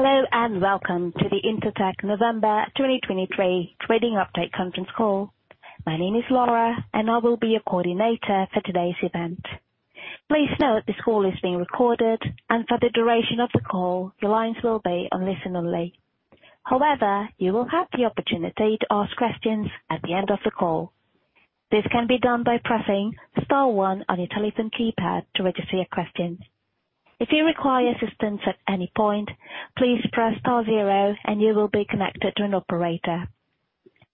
Hello, and welcome to the Intertek November 2023 trading update conference call. My name is Laura, and I will be your coordinator for today's event. Please note, this call is being recorded, and for the duration of the call, your lines will be on listen only. However, you will have the opportunity to ask questions at the end of the call. This can be done by pressing star one on your telephone keypad to register your questions. If you require assistance at any point, please press star zero and you will be connected to an operator.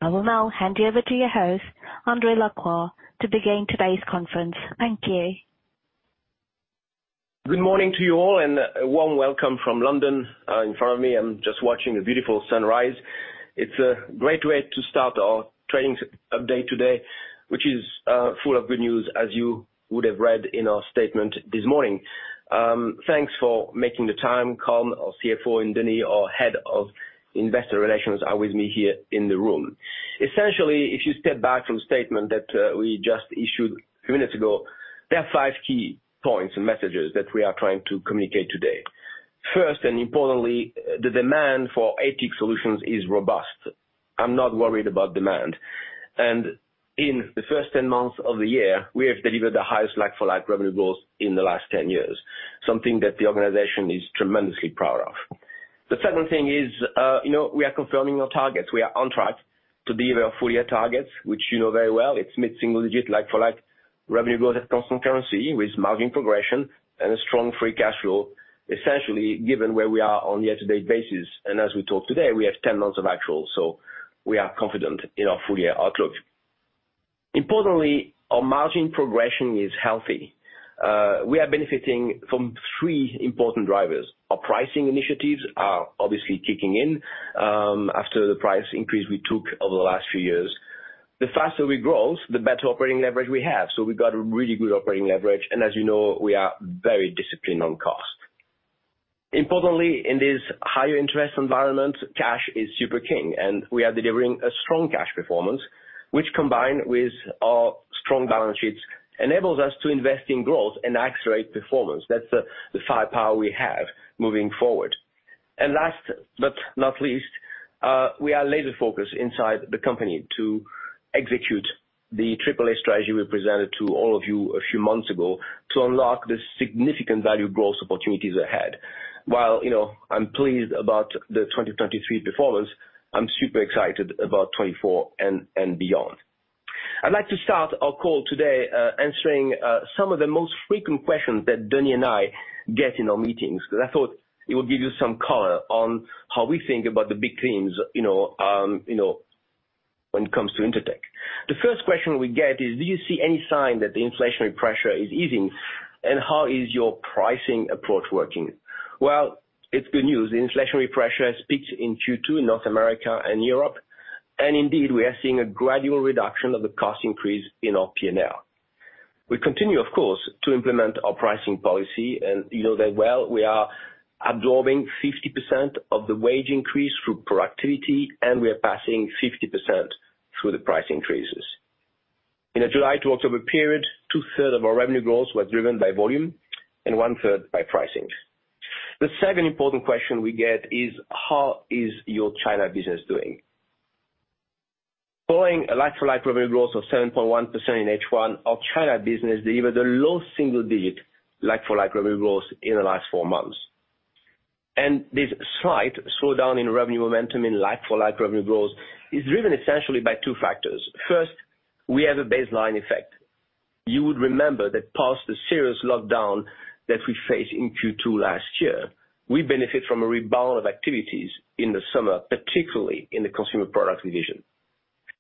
I will now hand you over to your host, André Lacroix, to begin today's conference. Thank you. Good morning to you all, and a warm welcome from London. In front of me, I'm just watching the beautiful sunrise. It's a great way to start our trading update today, which is full of good news, as you would have read in our statement this morning. Thanks for making the time. Colm, our CFO, and Denis, our head of Investor Relations, are with me here in the room. Essentially, if you step back from the statement that we just issued a few minutes ago, there are five key points and messages that we are trying to communicate today. First, and importantly, the demand for ATIC solutions is robust. I'm not worried about demand. In the first 10 months of the year, we have delivered the highest like-for-like revenue growth in the last 10 years, something that the organization is tremendously proud of. The second thing is, you know, we are confirming our targets. We are on track to deliver our full-year targets, which you know very well. It's mid-single digit, like-for-like revenue growth at constant currency with margin progression and a strong free cash flow, essentially, given where we are on a year-to-date basis. And as we talk today, we have 10 months of actual, so we are confident in our full-year outlook. Importantly, our margin progression is healthy. We are benefiting from three important drivers. Our pricing initiatives are obviously kicking in, after the price increase we took over the last few years. The faster we grow, the better operating leverage we have, so we've got a really good operating leverage, and as you know, we are very disciplined on cost. Importantly, in this higher interest environment, cash is super king, and we are delivering a strong cash performance, which, combined with our strong balance sheets, enables us to invest in growth and accelerate performance. That's the firepower we have moving forward. And last, but not least, we are laser focused inside the company to execute the AAA strategy we presented to all of you a few months ago to unlock the significant value growth opportunities ahead. While, you know, I'm pleased about the 2023 performance, I'm super excited about 2024 and beyond. I'd like to start our call today answering some of the most frequent questions that Denis and I get in our meetings, because I thought it would give you some color on how we think about the big themes, you know, when it comes to Intertek. The first question we get is: do you see any sign that the inflationary pressure is easing, and how is your pricing approach working? Well, it's good news. The inflationary pressure has peaked in Q2 in North America and Europe, and indeed, we are seeing a gradual reduction of the cost increase in our P&L. We continue, of course, to implement our pricing policy, and you know very well we are absorbing 50% of the wage increase through productivity, and we are passing 50% through the price increases. In the July to October period, two-thirds of our revenue growth was driven by volume and one-third by pricing. The second important question we get is: how is your China business doing? Following a like-for-like revenue growth of 7.1% in H1, our China business delivered a low single digit like-for-like revenue growth in the last four months. This slight slowdown in revenue momentum in like-for-like revenue growth is driven essentially by two factors. First, we have a baseline effect. You would remember that past the serious lockdown that we faced in Q2 last year, we benefit from a rebound of activities in the summer, particularly in the Consumer Products division.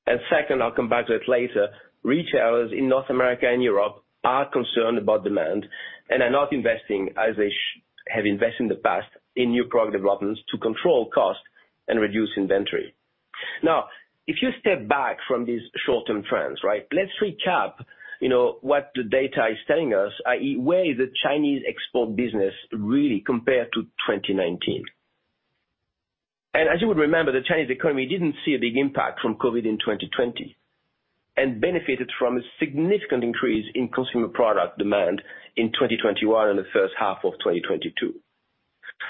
And second, I'll come back to that later, retailers in North America and Europe are concerned about demand and are not investing as they have invested in the past, in new product developments to control cost and reduce inventory. Now, if you step back from these short-term trends, right? Let's recap, you know, what the data is telling us, i.e., where is the Chinese export business really compared to 2019. And as you would remember, the Chinese economy didn't see a big impact from COVID in 2020, and benefited from a significant increase in consumer product demand in 2021 and the first half of 2022.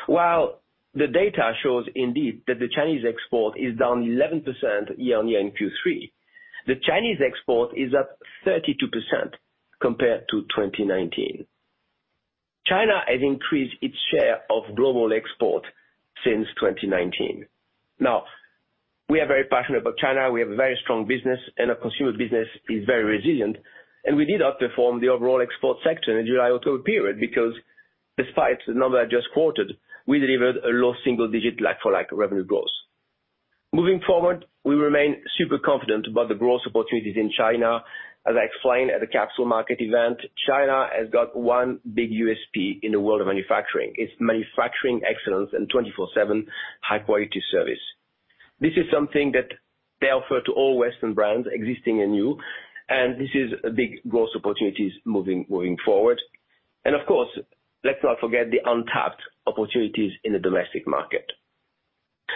While the data shows indeed that the Chinese export is down 11% year-on-year in Q3, the Chinese export is up 32% compared to 2019. China has increased its share of global export since 2019. Now, we are very passionate about China. We have a very strong business, and our consumer business is very resilient, and we did outperform the overall export sector in the July, October period because despite the number I just quoted, we delivered a low single-digit like-for-like revenue growth. Moving forward, we remain super confident about the growth opportunities in China. As I explained at the Capital Markets event, China has got one big USP in the world of manufacturing. It's manufacturing excellence and 24/7 high-quality service. This is something that they offer to all Western brands, existing and new, and this is a big growth opportunities moving forward. And of course, let's not forget the untapped opportunities in the domestic market....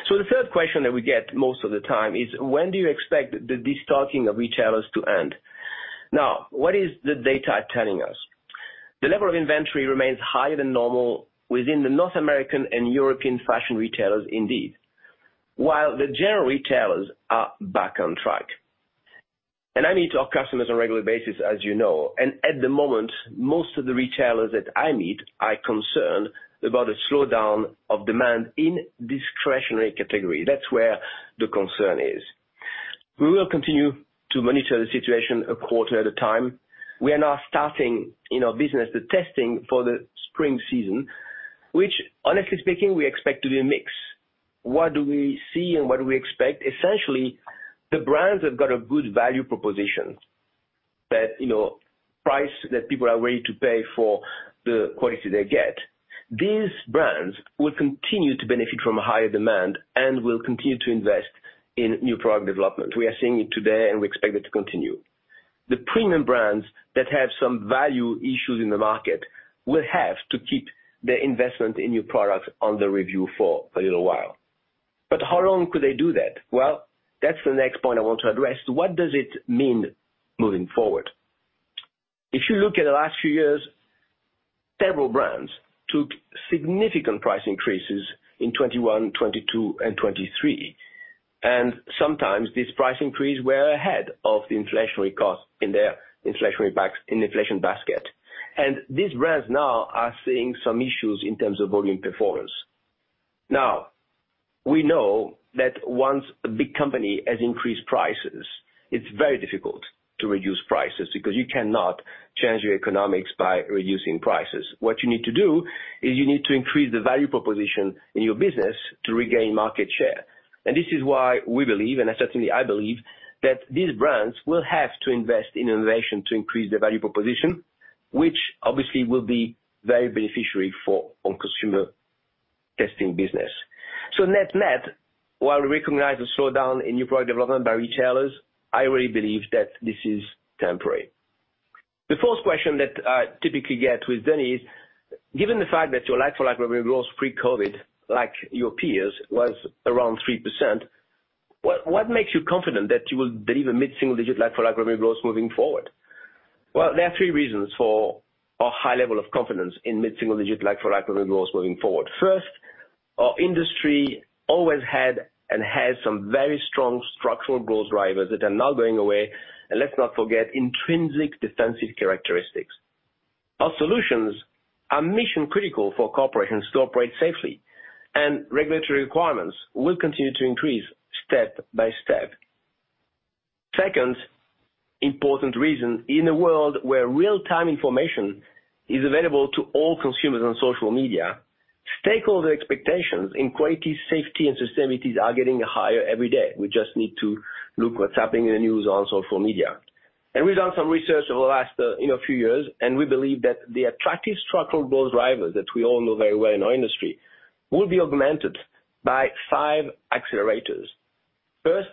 So the third question that we get most of the time is, when do you expect the destocking of retailers to end? Now, what is the data telling us? The level of inventory remains higher than normal within the North American and European fashion retailers indeed, while the general retailers are back on track. And I meet our customers on a regular basis, as you know, and at the moment, most of the retailers that I meet are concerned about a slowdown of demand in discretionary category. That's where the concern is. We will continue to monitor the situation a quarter at a time. We are now starting in our business, the testing for the spring season, which honestly speaking, we expect to be a mix. What do we see and what do we expect? Essentially, the brands have got a good value proposition that, you know, price that people are ready to pay for the quality they get. These brands will continue to benefit from a higher demand, and will continue to invest in new product development. We are seeing it today, and we expect it to continue. The premium brands that have some value issues in the market will have to keep their investment in new products on the review for a little while. But how long could they do that? Well, that's the next point I want to address. What does it mean moving forward? If you look at the last few years, several brands took significant price increases in 2021, 2022, and 2023, and sometimes these price increases were ahead of the inflationary cost in their inflation basket. And these brands now are seeing some issues in terms of volume performance. Now, we know that once a big company has increased prices, it's very difficult to reduce prices because you cannot change your economics by reducing prices. What you need to do, is you need to increase the value proposition in your business to regain market share. And this is why we believe, and certainly I believe, that these brands will have to invest in innovation to increase their value proposition, which obviously will be very beneficial for our consumer testing business. So net-net, while we recognize a slowdown in new product development by retailers, I really believe that this is temporary. The fourth question that I typically get with then is, given the fact that your like-for-like revenue growth pre-COVID, like your peers, was around 3%, what, what makes you confident that you will deliver mid-single digit like-for-like revenue growth moving forward? Well, there are three reasons for our high level of confidence in mid-single digit like-for-like revenue growth moving forward. First, our industry always had and has some very strong structural growth drivers that are now going away, and let's not forget, intrinsic defensive characteristics. Our solutions are mission critical for corporations to operate safely, and regulatory requirements will continue to increase step by step. Second important reason, in a world where real-time information is available to all consumers on social media, stakeholder expectations in quality, safety, and sustainability are getting higher every day. We just need to look what's happening in the news on social media. We've done some research over the last, you know, few years, and we believe that the attractive structural growth drivers that we all know very well in our industry, will be augmented by five accelerators. First,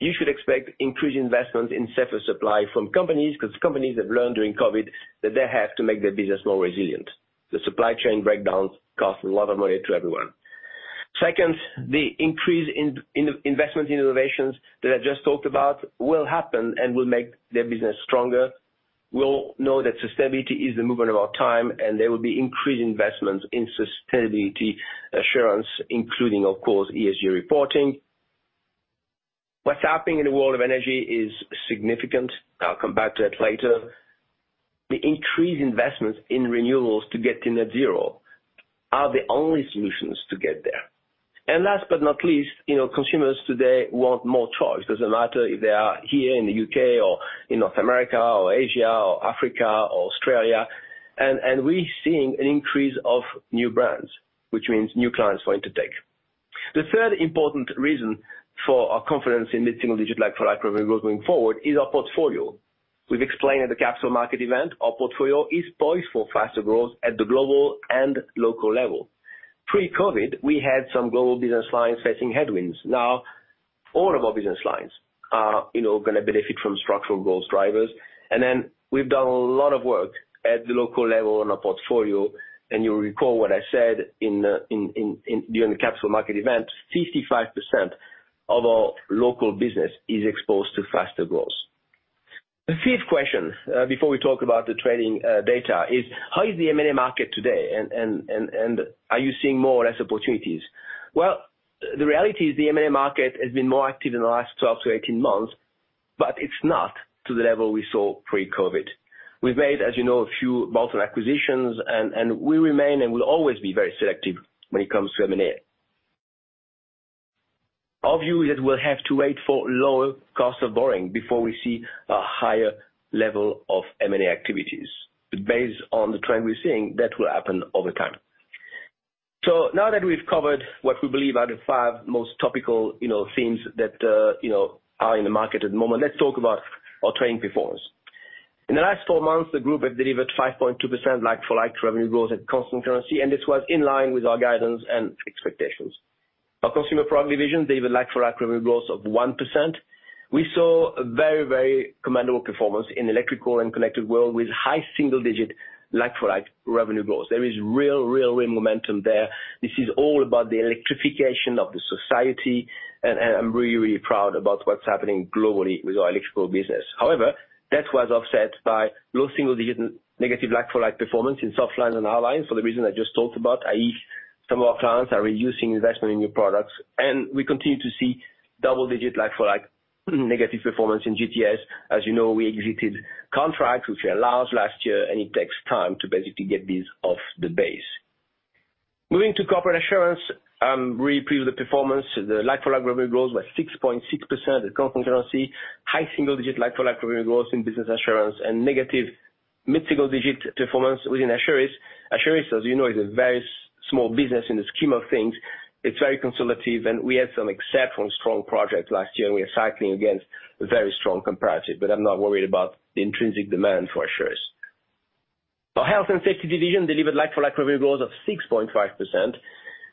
you should expect increased investment in safer supply from companies, because companies have learned during COVID that they have to make their business more resilient. The supply chain breakdowns cost a lot of money to everyone. Second, the increase in investment in innovations that I just talked about will happen and will make their business stronger. We all know that sustainability is the movement of our time, and there will be increased investments in sustainability assurance, including, of course, ESG reporting. What's happening in the world of energy is significant. I'll come back to that later. The increased investments in renewables to get to net zero are the only solutions to get there. And last but not least, you know, consumers today want more choice. Doesn't matter if they are here in the U.K. or in North America or Asia or Africa or Australia. And we're seeing an increase of new brands, which means new clients for Intertek. The third important reason for our confidence in mid-single digit like for like revenue growth going forward is our portfolio. We've explained at the capital market event, our portfolio is poised for faster growth at the global and local level. Pre-COVID, we had some global business lines facing headwinds. Now, all of our business lines are, you know, gonna benefit from structural growth drivers. And then we've done a lot of work at the local level on our portfolio, and you'll recall what I said in during the capital market event, 55% of our local business is exposed to faster growth. The fifth question before we talk about the trading data is how is the M&A market today and are you seeing more or less opportunities? Well, the reality is the M&A market has been more active in the last 12-18 months, but it's not to the level we saw pre-COVID. We've made, as you know, a few multiple acquisitions and we remain and will always be very selective when it comes to M&A. Our view is we'll have to wait for lower cost of borrowing before we see a higher level of M&A activities. But based on the trend we're seeing, that will happen over time. So now that we've covered what we believe are the five most topical, you know, themes that, you know, are in the market at the moment, let's talk about our trading performance. In the last four months, the group has delivered 5.2% like-for-like revenue growth at constant currency, and this was in line with our guidance and expectations. Our Consumer Products division delivered like-for-like revenue growth of 1%. We saw a very, very commendable performance in Electrical and Connected World with high single digit like-for-like revenue growth. There is real, real, real momentum there. This is all about the electrification of the society, and I'm really, really proud about what's happening globally with our electrical business. However, that was offset by low single-digit negative like-for-like performance in slloftline and allies for the reason I just talked about, i.e., some of our clients are reducing investment in new products. We continue to see double-digit like-for-like negative performance in GTS. As you know, we exited contracts which allowed last year, and it takes time to basically get this off the base. Moving to Corporate Assurance, we preview the performance. The like-for-like revenue growth was 6.6% at constant currency, high single-digit like-for-like revenue growth in business insurance, and negative mid-single-digit performance within Assurance. Assurance, as you know, is a very small business in the scheme of things. It's very consolidative, and we had some exceptional strong projects last year, and we are cycling against very strong comparative, but I'm not worried about the intrinsic demand for Assurance. Our Health and Safety division delivered like-for-like revenue growth of 6.5%,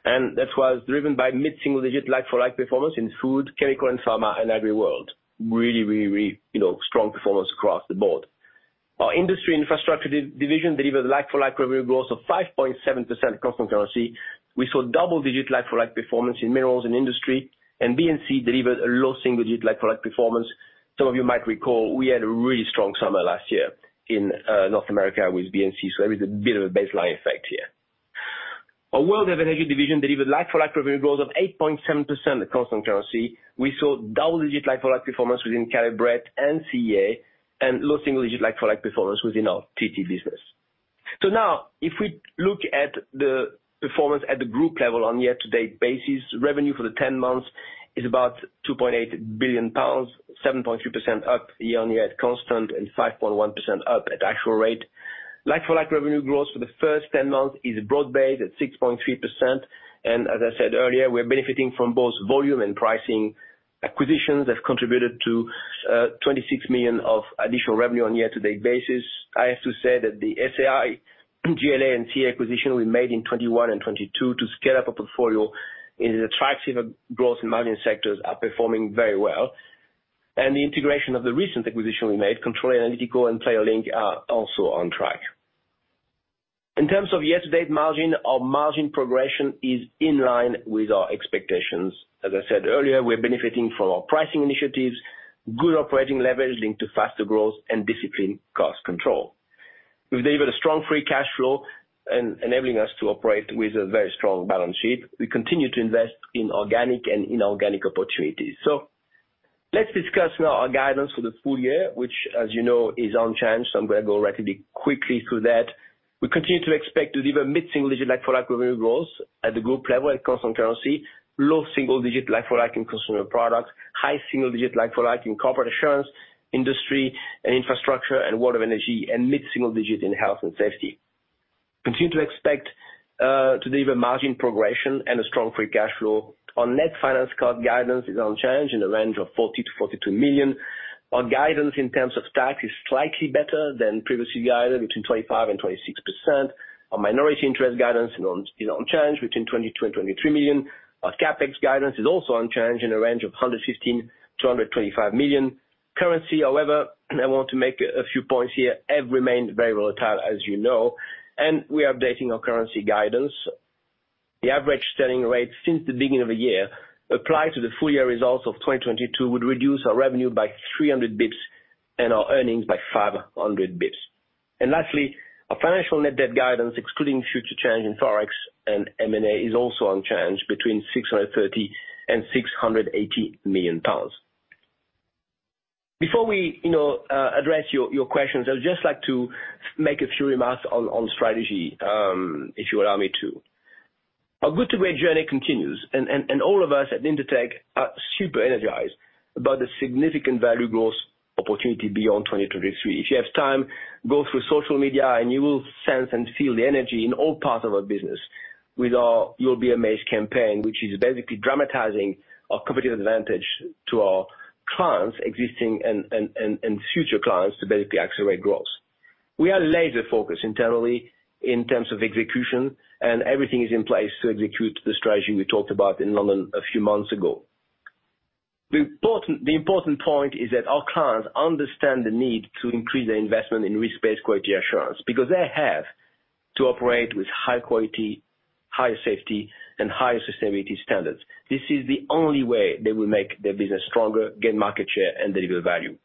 and that was driven by mid-single digit like-for-like performance in food, chemical, and pharma, and agri world. Really, really, really, you know, strong performance across the board. Our Industry and Infrastructure division delivered like-for-like revenue growth of 5.7% constant currency. We saw double-digit like-for-like performance in minerals and industry, and BNC delivered a low single-digit like-for-like performance. Some of you might recall we had a really strong summer last year in North America with BNC, so there is a bit of a baseline effect here. Our World of Energy division delivered like-for-like revenue growth of 8.7% at constant currency. We saw double digit like-for-like performance within Caleb Brett and CEA, and low single digit like-for-like performance within our TT business. So now, if we look at the performance at the group level on a year-to-date basis, revenue for the 10 months is about 2.8 billion pounds, 7.2% up year-on-year at constant, and 5.1% up at actual rate. Like-for-like revenue growth for the first 10 months is broad-based at 6.3%, and as I said earlier, we're benefiting from both volume and pricing. Acquisitions have contributed to 26 million of additional revenue on a year-to-date basis. I have to say that the SAI, GLA, and CA acquisition we made in 2021 and 2022 to scale up our portfolio is attractive. Growth in margin sectors are performing very well. The integration of the recent acquisition we made, Controle Analítico and PlayerLync, are also on track. In terms of year-to-date margin, our margin progression is in line with our expectations. As I said earlier, we're benefiting from our pricing initiatives, good operating leverage linked to faster growth, and disciplined cost control. We've delivered a strong free cash flow enabling us to operate with a very strong balance sheet. We continue to invest in organic and inorganic opportunities. So let's discuss now our guidance for the full year, which, as you know, is unchanged, so I'm gonna go relatively quickly through that. We continue to expect to deliver mid-single digit like-for-like revenue growth at the group level, at constant currency, low single digit like-for-like in consumer products, high single digit like-for-like in Corporate Assurance, industry and infrastructure, and world of energy, and mid-single digit in health and safety. Continue to expect to deliver margin progression and a strong free cash flow. Our net finance charge guidance is unchanged in the range of 40-42 million. Our guidance in terms of tax is slightly better than previously guided, between 25% and 26%. Our minority interest guidance is unchanged, between 20-23 million. Our CapEx guidance is also unchanged in a range of 115-125 million. Currency, however, and I want to make a few points here, have remained very volatile, as you know, and we are updating our currency guidance. The average selling rate since the beginning of the year, applied to the full year results of 2022, would reduce our revenue by 300 basis points and our earnings by 500 basis points. Lastly, our financial net debt guidance, excluding future change in Forex and M&A, is also unchanged between 630 million and 680 million pounds. Before we, you know, address your questions, I would just like to make a few remarks on strategy, if you allow me to. Our good to great journey continues, and all of us at Intertek are super energized about the significant value growth opportunity beyond 2023. If you have time, go through social media, and you will sense and feel the energy in all parts of our business. With our You'll Be Amazed campaign, which is basically dramatizing our competitive advantage to our clients, existing and future clients, to basically accelerate growth. We are laser focused internally in terms of execution, and everything is in place to execute the strategy we talked about in London a few months ago. The important point is that our clients understand the need to increase their investment in risk-based quality assurance, because they have to operate with high quality, higher safety, and higher sustainability standards. This is the only way they will make their business stronger, gain market share, and deliver value.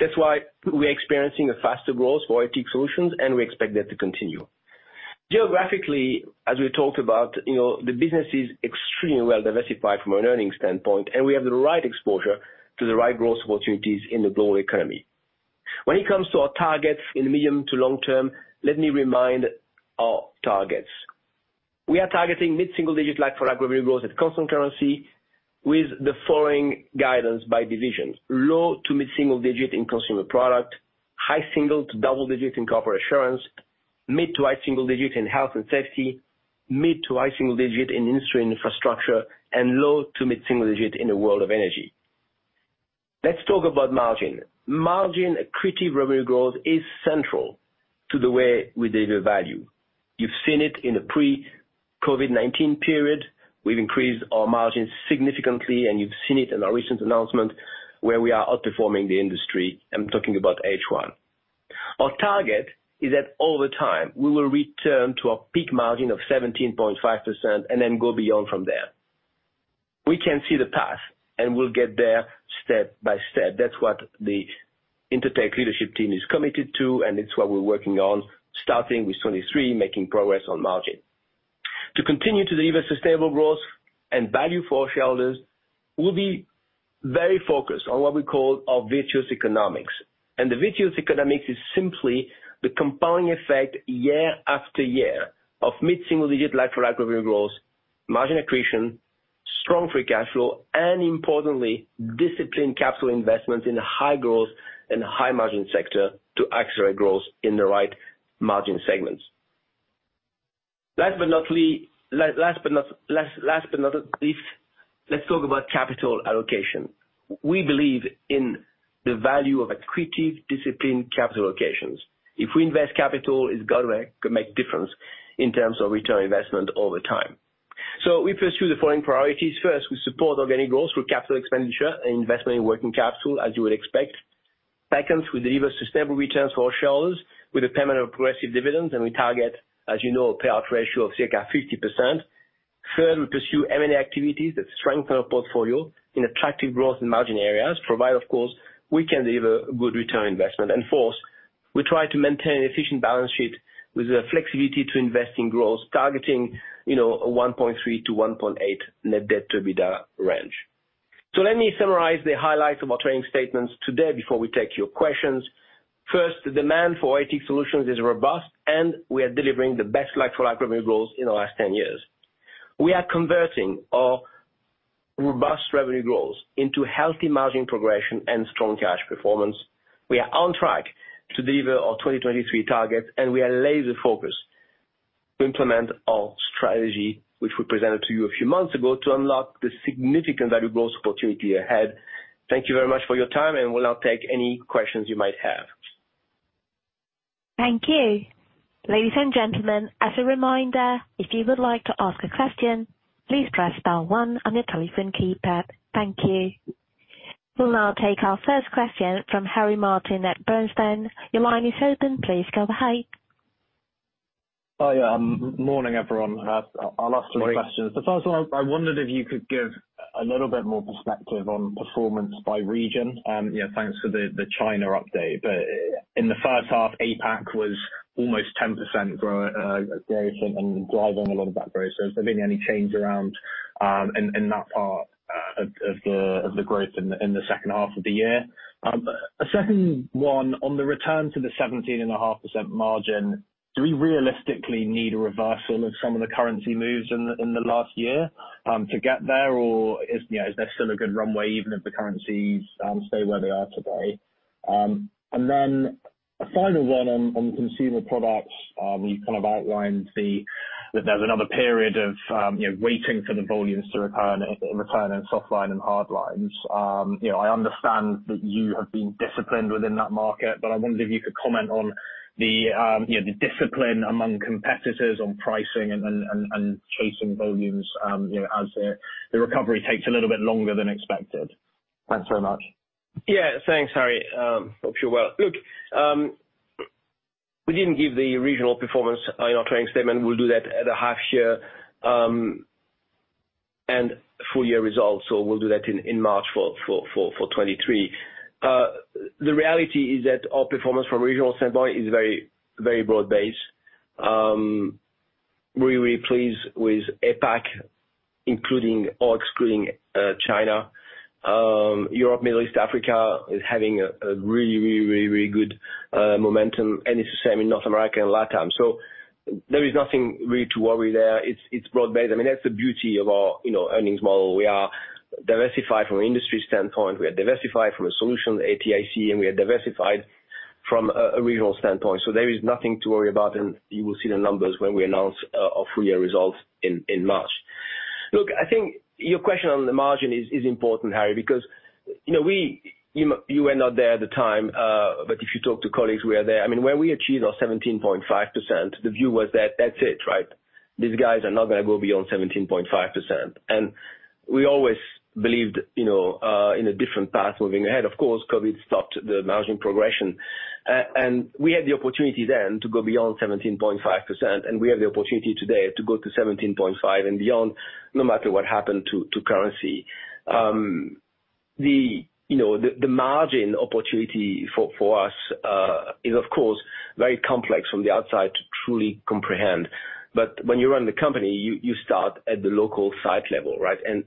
That's why we're experiencing a faster growth for IT solutions, and we expect that to continue. Geographically, as we talked about, you know, the business is extremely well diversified from an earnings standpoint, and we have the right exposure to the right growth opportunities in the global economy. When it comes to our targets in the medium to long term, let me remind our targets. We are targeting mid-single digit like-for-like revenue growth at constant currency with the following guidance by divisions: low to mid-single digit in Consumer Products, high single to double digit in Corporate Assurance, mid to high single digit in Health and Safety, mid to high single digit in Industry and Infrastructure, and low to mid-single digit in the World of Energy. Let's talk about margin. Margin accretive revenue growth is central to the way we deliver value. You've seen it in the pre-COVID-19 period. We've increased our margins significantly, and you've seen it in our recent announcement, where we are outperforming the industry. I'm talking about H1. Our target is that all the time we will return to a peak margin of 17.5% and then go beyond from there. We can see the path, and we'll get there step by step. That's what the Intertek leadership team is committed to, and it's what we're working on, starting with 2023, making progress on margin. To continue to deliver sustainable growth and value for our shareholders, we'll be very focused on what we call our virtuous economics. And the virtuous economics is simply the compounding effect, year after year, of mid-single digit LFL revenue growth, margin accretion, strong free cash flow, and importantly, disciplined capital investments in high growth and high margin sector to accelerate growth in the right margin segments. Last but not least, let's talk about capital allocation. We believe in the value of accretive, disciplined capital allocations. If we invest capital, it's gonna make difference in terms of return on investment over time. So we pursue the following priorities. First, we support organic growth through capital expenditure and investment in working capital, as you would expect. Second, we deliver sustainable returns for our shareholders with a permanent progressive dividend, and we target, as you know, a payout ratio of circa 50%. Third, we pursue M&A activities that strengthen our portfolio in attractive growth and margin areas, provided of course, we can deliver a good return on investment. Fourth, we try to maintain an efficient balance sheet with the flexibility to invest in growth, targeting, you know, a 1.3-1.8 net debt to EBITDA range. So let me summarize the highlights of our trading statements today before we take your questions. First, the demand for ATIC solutions is robust, and we are delivering the best LFL revenue growth in the last 10 years. We are converting our robust revenue growth into healthy margin progression and strong cash performance. We are on track to deliver our 2023 targets, and we are laser focused to implement our strategy, which we presented to you a few months ago, to unlock the significant value growth opportunity ahead. Thank you very much for your time, and we'll now take any questions you might have. Thank you. Ladies and gentlemen, as a reminder, if you would like to ask a question, please press star one on your telephone keypad. Thank you. We'll now take our first question from Harry Martin at Bernstein. Your line is open. Please go ahead. Hi, morning, everyone. I'll ask three questions. Morning. The first one, I wondered if you could give a little bit more perspective on performance by region. Yeah, thanks for the China update, but in the first half, APAC was almost 10% growth variation and driving a lot of that growth. So is there any change around in that part of the growth in the second half of the year? A second one, on the return to the 17.5% margin, do we realistically need a reversal of some of the currency moves in the last year to get there? Or is, you know, is there still a good runway, even if the currencies stay where they are today? And then a final one on consumer products. We kind of outlined that there's another period of, you know, waiting for the volumes to return in soft line and Hardlines. You know, I understand that you have been disciplined within that market, but I wondered if you could comment on the, you know, the discipline among competitors on pricing and chasing volumes, you know, as the recovery takes a little bit longer than expected. Thanks very much. Yeah. Thanks, Harry. Hope you're well. Look, we didn't give the regional performance in our trading statement. We'll do that at the half year and full year results, so we'll do that in March for 2023. The reality is that our performance from a regional standpoint is very, very broad-based. We're really pleased with APAC, including or excluding China. Europe, Middle East, Africa is having a really, really, really, really good momentum, and it's the same in North America and Latam. So there is nothing really to worry there. It's broad-based. I mean, that's the beauty of our, you know, earnings model. We are diversified from an industry standpoint, we are diversified from a solution, ATIC, and we are diversified from a regional standpoint, so there is nothing to worry about, and you will see the numbers when we announce our full year results in March. Look, I think your question on the margin is important, Harry, becUause, you know, you were not there at the time, but if you talk to colleagues who were there, I mean, when we achieved our 17.5%, the view was that, "That's it, right? These guys are not gonna go beyond 17.5%." And we always believed, you know, in a different path moving ahead. Of course, COVID stopped the margin progression. And we had the opportunity then to go beyond 17.5%, and we have the opportunity today to go to 17.5% and beyond, no matter what happened to currency. You know, the margin opportunity for us is of course very complex from the outside to truly comprehend. But when you run the company, you start at the local site level, right? And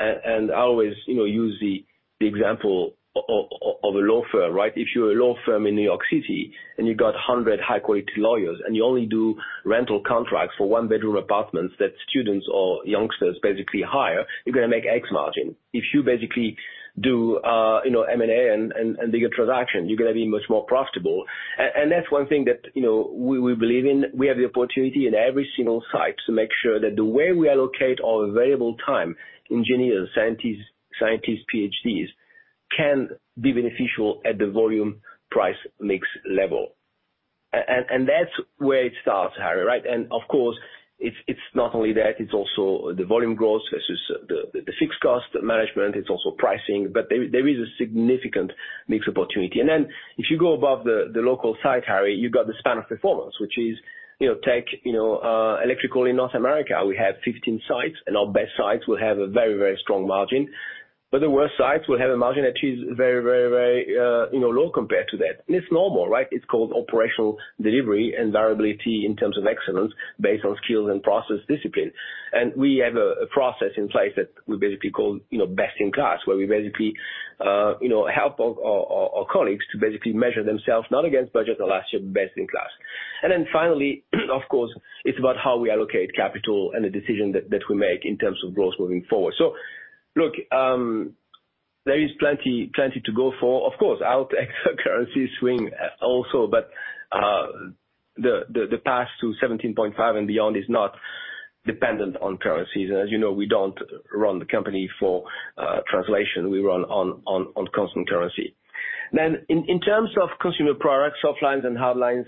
I always, you know, use the example of a law firm, right? If you're a law firm in New York City and you got 100 high quality lawyers, and you only do rental contracts for one-bedroom apartments that students or youngsters basically hire, you're gonna make X margin. If you basically do M&A and, and, and bigger transaction, you're gonna be much more profitable. And that's one thing that, you know, we believe in. We have the opportunity in every single site to make sure that the way we allocate our available time, engineers, scientists, scientists, PhDs, can be beneficial at the volume price mix level. And that's where it starts, Harry, right? And of course, it's not only that, it's also the volume growth versus the fixed cost management, it's also pricing, but there is a significant mix opportunity. And then if you go above the local site, Harry, you've got the span of performance, which is, you know, take electrical in North America, we have 15 sites, and our best sites will have a very, very strong margin. But the worst sites will have a margin that is very, very, very, you know, low compared to that. And it's normal, right? It's called operational delivery and variability in terms of excellence, based on skills and process discipline. And we have a process in place that we basically call, you know, best in class, where we basically, you know, help our colleagues to basically measure themselves, not against budget or last year, best in class. And then finally, of course, it's about how we allocate capital and the decision that we make in terms of growth moving forward. So look, there is plenty, plenty to go for. Of course, FX currency swing also, but, the path to 17.5 and beyond is not dependent on currencies. As you know, we don't run the company for translation, we run on constant currency. Then in terms of Consumer Products, Softlines and Hardlines,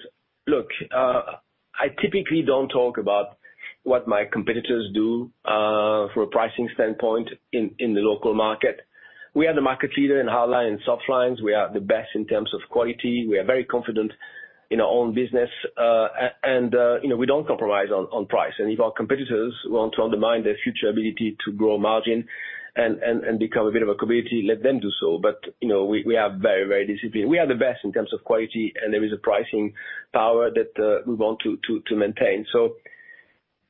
look, I typically don't talk about what my competitors do from a pricing standpoint in the local market. We are the market leader in hard line and Softlines. We are the best in terms of quality. We are very confident in our own business, and you know, we don't compromise on price. And if our competitors want to undermine their future ability to grow margin and become a bit of a commodity, let them do so. But you know, we are very, very disciplined. We are the best in terms of quality, and there is a pricing power that we want to maintain.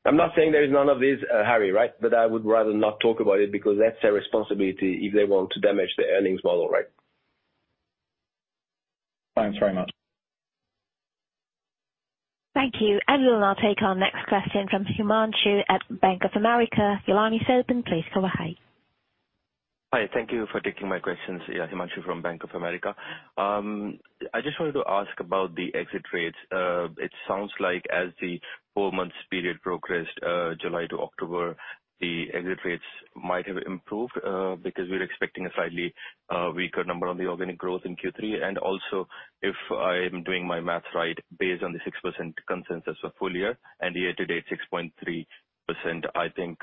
So I'm not saying there is none of this, Harry, right? But I would rather not talk about it because that's their responsibility if they want to damage their earnings model, right? Thanks very much. Thank you. And we'll now take our next question from Himanshu at Bank of America. Your line is open, please go ahead. Hi, thank you for taking my questions. Yeah, Himanshu from Bank of America. I just wanted to ask about the exit rates. It sounds like as the 4 months period progressed, July to October, the exit rates might have improved, because we're expecting a slightly weaker number on the organic growth in Q3. And also, if I am doing my math right, based on the 6% consensus for full year and the year-to-date 6.3%, I think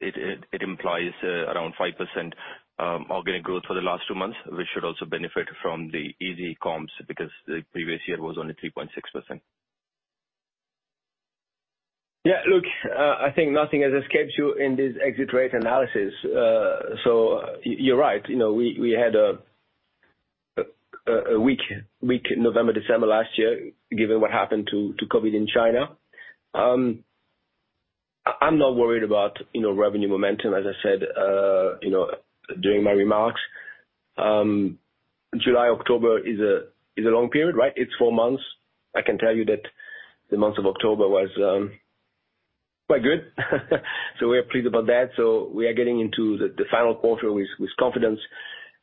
it implies around 5% organic growth for the last 2 months, which should also benefit from the easy comps because the previous year was only 3.6%. Yeah, look, I think nothing has escaped you in this exit rate analysis. So you're right, you know, we had a weak November, December last year, given what happened to COVID in China. I'm not worried about, you know, revenue momentum, as I said, you know, during my remarks. July, October is a long period, right? It's four months. I can tell you that the month of October was quite good. So we are pleased about that. So we are getting into the final quarter with confidence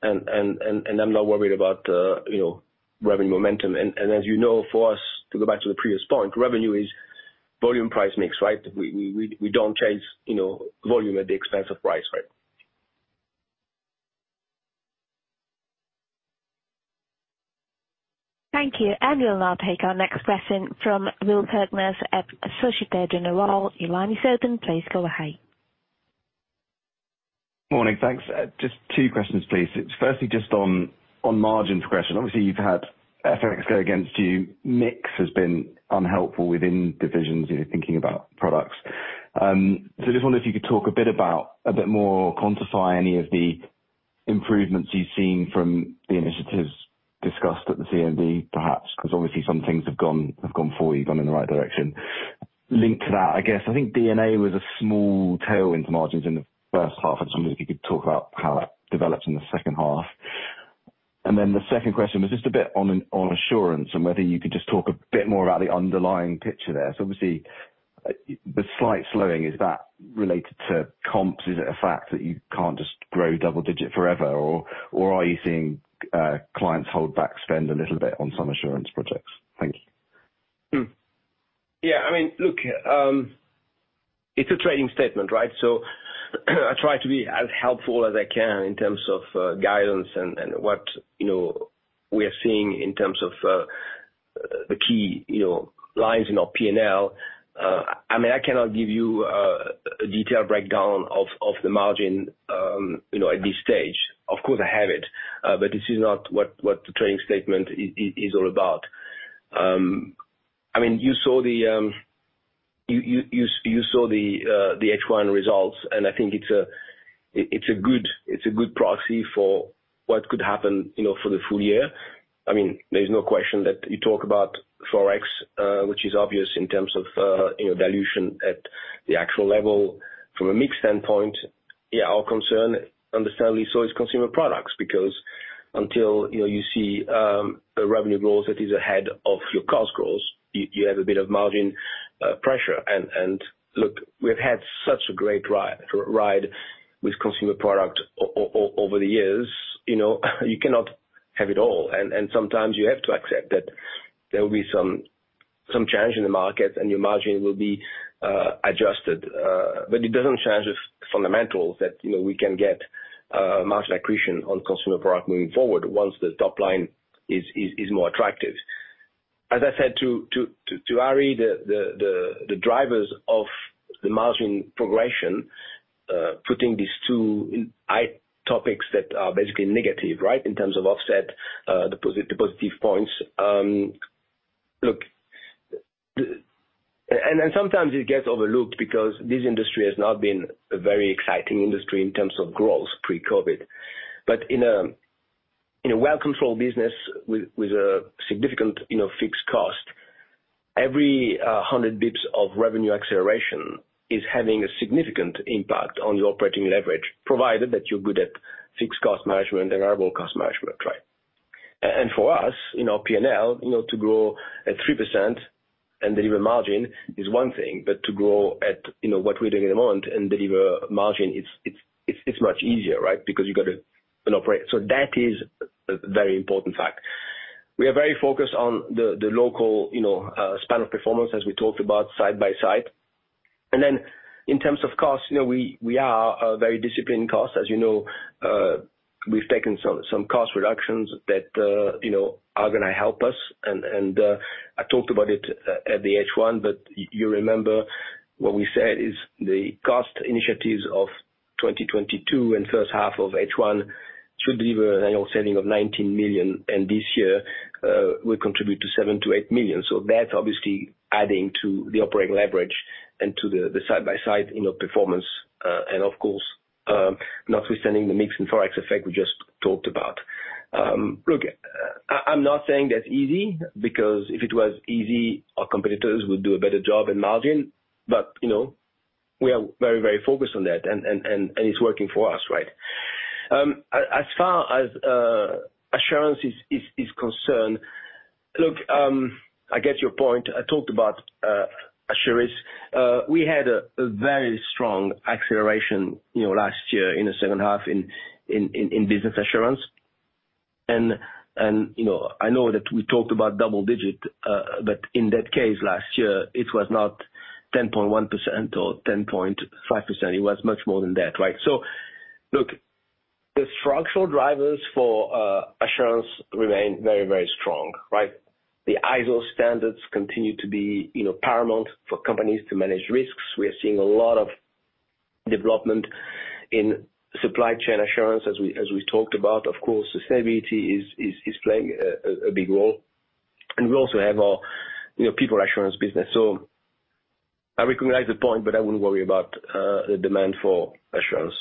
and I'm not worried about, you know, revenue momentum. And as you know, for us, to go back to the previous point, revenue is volume, price, mix, right? We don't change, you know, volume at the expense of price, right? Thank you. We'll now take our next question from Will kirkness at Société Générale. Your line is open, please go ahead. Morning, thanks. Just two questions, please. Firstly, just on the margins question. Obviously, you've had FX go against you. Mix has been unhelpful within divisions, you know, thinking about products. So I just wonder if you could talk a bit about, a bit more, quantify any of the improvements you've seen from the initiatives discussed at the CMD, perhaps, because obviously some things have gone, have gone forward, gone in the right direction. Linked to that, I guess, I think D&A was a small tailwind to margins in the first half, and maybe you could talk about how that develops in the second half. And then the second question was just a bit on Assurance and whether you could just talk a bit more about the underlying picture there. So obviously, the slight slowing, is that related to comps? Is it a fact that you can't just grow double-digit forever, or, or are you seeing, clients hold back, spend a little bit on some Assurance projects? Thank you. Hmm. Yeah, I mean, look, it's a trading statement, right? So I try to be as helpful as I can in terms of, guidance and what, you know, we are seeing in terms of, the key, you know, lines in our P&L. I mean, I cannot give you a detailed breakdown of the margin, you know, at this stage. Of course, I have it, but this is not what the trading statement is all about. I mean, you saw the H1 results, and I think it's a good proxy for what could happen, you know, for the full year. I mean, there's no question that you talk about Forex, which is obvious in terms of, you know, dilution at the actual level. From a mix standpoint, yeah, our concern, understandably so, is Consumer Products, because until, you know, you see a revenue growth that is ahead of your cost growth, you have a bit of margin pressure. And look, we've had such a great ride with Consumer Products over the years. You know, you cannot have it all, and sometimes you have to accept that there will be some change in the market, and your margin will be adjusted. But it doesn't change the fundamentals that, you know, we can get margin accretion on Consumer Products moving forward once the top line is more attractive. As I said to Harry, the drivers of the margin progression, putting these two items that are basically negative, right? In terms of offset, the positive points. Look, and then sometimes it gets overlooked because this industry has not been a very exciting industry in terms of growth pre-COVID. But in a well-controlled business with a significant, you know, fixed cost, every 100 basis points of revenue acceleration is having a significant impact on your operating leverage, provided that you're good at fixed cost management and variable cost management, right? And for us, you know, P&L, you know, to grow at 3% and deliver margin is one thing, but to grow at, you know, what we're doing at the moment and deliver margin, it's much easier, right? Because you've got to operate. So that is a very important fact. We are very focused on the, the local, you know, span of performance, as we talked about side by side. And then in terms of costs, you know, we, we are, very disciplined in cost. As you know, we've taken some, some cost reductions that, you know, are gonna help us. And, and, I talked about it at, at the H1, but you remember what we said is the cost initiatives of 2022 and first half of H1 should deliver an annual saving of 19 million, and this year, will contribute to 7-8 million. So that's obviously adding to the operating leverage and to the, the side-by-side, you know, performance, and of course, notwithstanding the mix and FOREX effect we just talked about. Look, I'm not saying that's easy, because if it was easy, our competitors would do a better job in margin, but, you know, we are very, very focused on that and, and, and, and it's working for us, right? As far as assurance is concerned, look, I get your point. I talked about assurance. We had a very strong acceleration, you know, last year in the second half in business assurance. And you know, I know that we talked about double-digit, but in that case, last year, it was not 10.1% or 10.5%. It was much more than that, right? So look, the structural drivers for assurance remain very, very strong, right? The ISO standards continue to be, you know, paramount for companies to manage risks. We are seeing a lot of development in supply chain assurance, as we talked about. Of course, sustainability is playing a big role. And we also have our, you know, people assurance business. So I recognize the point, but I wouldn't worry about the demand for assurance.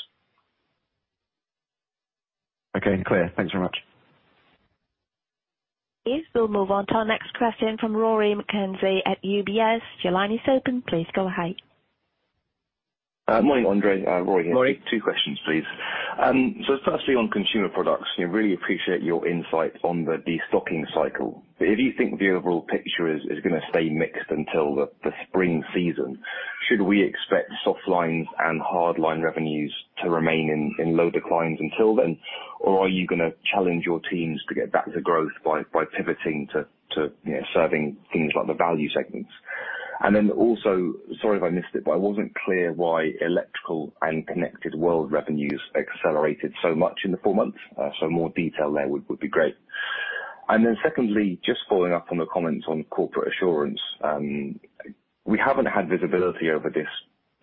Okay, clear. Thanks very much. We'll move on to our next question from Rory Mackenzie at UBS. Your line is open. Please go ahead. Morning, André, Rory here. Rory. Two questions, please. So firstly, on Consumer Products, you know, really appreciate your insight on the destocking cycle. But if you think the overall picture is gonna stay mixed until the spring season, should we expect Softlines and hard line revenues to remain in low declines until then? Or are you gonna challenge your teams to get back to growth by pivoting to, you know, serving things like the value segments? And then also, sorry if I missed it, but I wasn't clear why electrical and connected world revenues accelerated so much in the four months. So more detail there would be great. And then secondly, just following up on the comments on Corporate Assurance, we haven't had visibility over this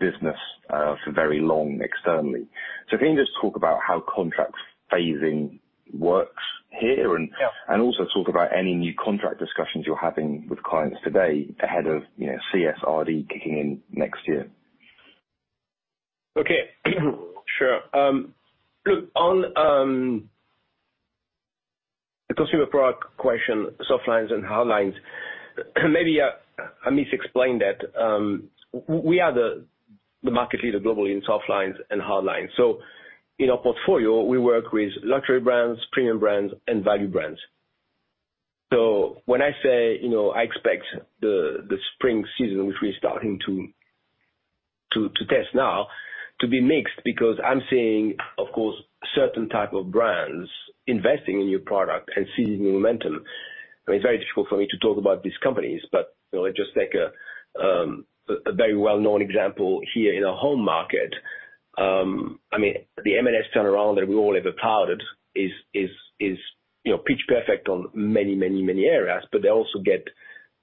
business for very long externally. So can you just talk about how contract phasing works here? Yeah. Also talk about any new contract discussions you're having with clients today ahead of, you know, CSRD kicking in next year. Okay. Sure. Look, on the consumer product question, Softlines and Hardlines, maybe I misexplained that. We are the market leader globally in Softlines and Hardlines. So in our portfolio, we work with luxury brands, premium brands, and value brands. So when I say, you know, I expect the spring season, which we're starting to test now, to be mixed, because I'm seeing, of course, certain type of brands investing in new product and seeing new momentum. I mean, it's very difficult for me to talk about these companies, but, you know, just take a very well-known example here in our home market. I mean, the M&S turnaround that we all have applauded is, you know, pitch perfect on many, many, many areas, but they also get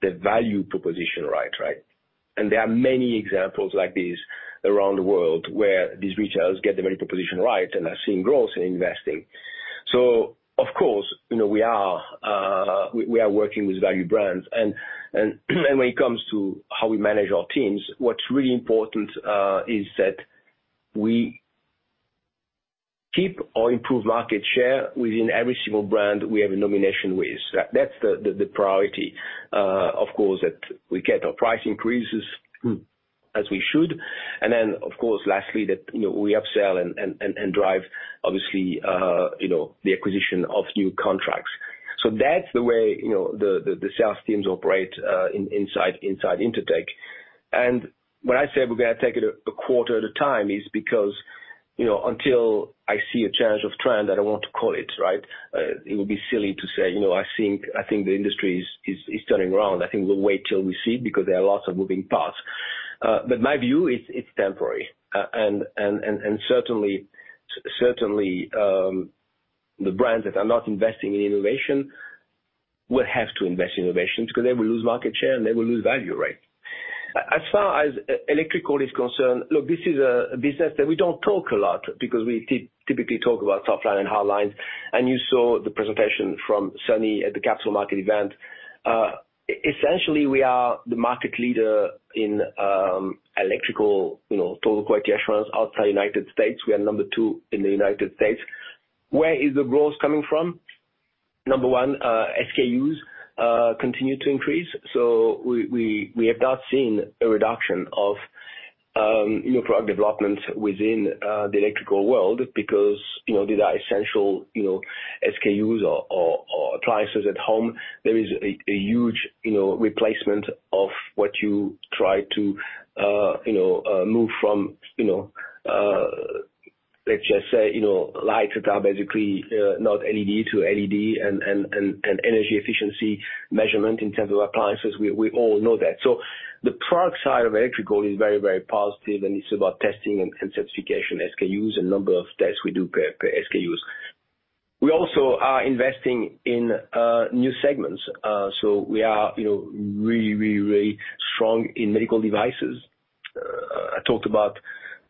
the value proposition right, right? There are many examples like this around the world, where these retailers get the value proposition right and are seeing growth in investing. So of course, you know, we are working with value brands. And when it comes to how we manage our teams, what's really important is that we keep or improve market share within every single brand we have a nomination with. That's the priority, of course, that we get our price increases as we should. And then, of course, lastly, that, you know, we upsell and drive, obviously, you know, the acquisition of new contracts. So that's the way, you know, the sales teams operate inside Intertek. And when I say we're gonna take it a quarter at a time, is because-... You know, until I see a change of trend, I don't want to call it, right? It would be silly to say, you know, I think, I think the industry is turning around. I think we'll wait till we see, because there are lots of moving parts. But my view, it's temporary. And certainly, the brands that are not investing in innovation will have to invest in innovation because they will lose market share, and they will lose value, right? As far as electrical is concerned, look, this is a business that we don't talk a lot because we typically talk about top line and Hardlines, and you saw the presentation from Sunny at the capital market event. Essentially, we are the market leader in electrical, you know, total quality assurance outside the United States. We are number 2 in the United States. Where is the growth coming from? Number one, SKUs continue to increase, so we have not seen a reduction of, you know, product development within the electrical world because, you know, these are essential, you know, SKUs or appliances at home. There is a huge, you know, replacement of what you try to, you know, move from, you know, let's just say, you know, lights that are basically not LED to LED and energy efficiency measurement in terms of appliances, we all know that. So the product side of electrical is very, very positive, and it's about testing and certification, SKUs and number of tests we do per SKUs. We also are investing in new segments. So we are, you know, really, really, really strong in medical devices. I talked about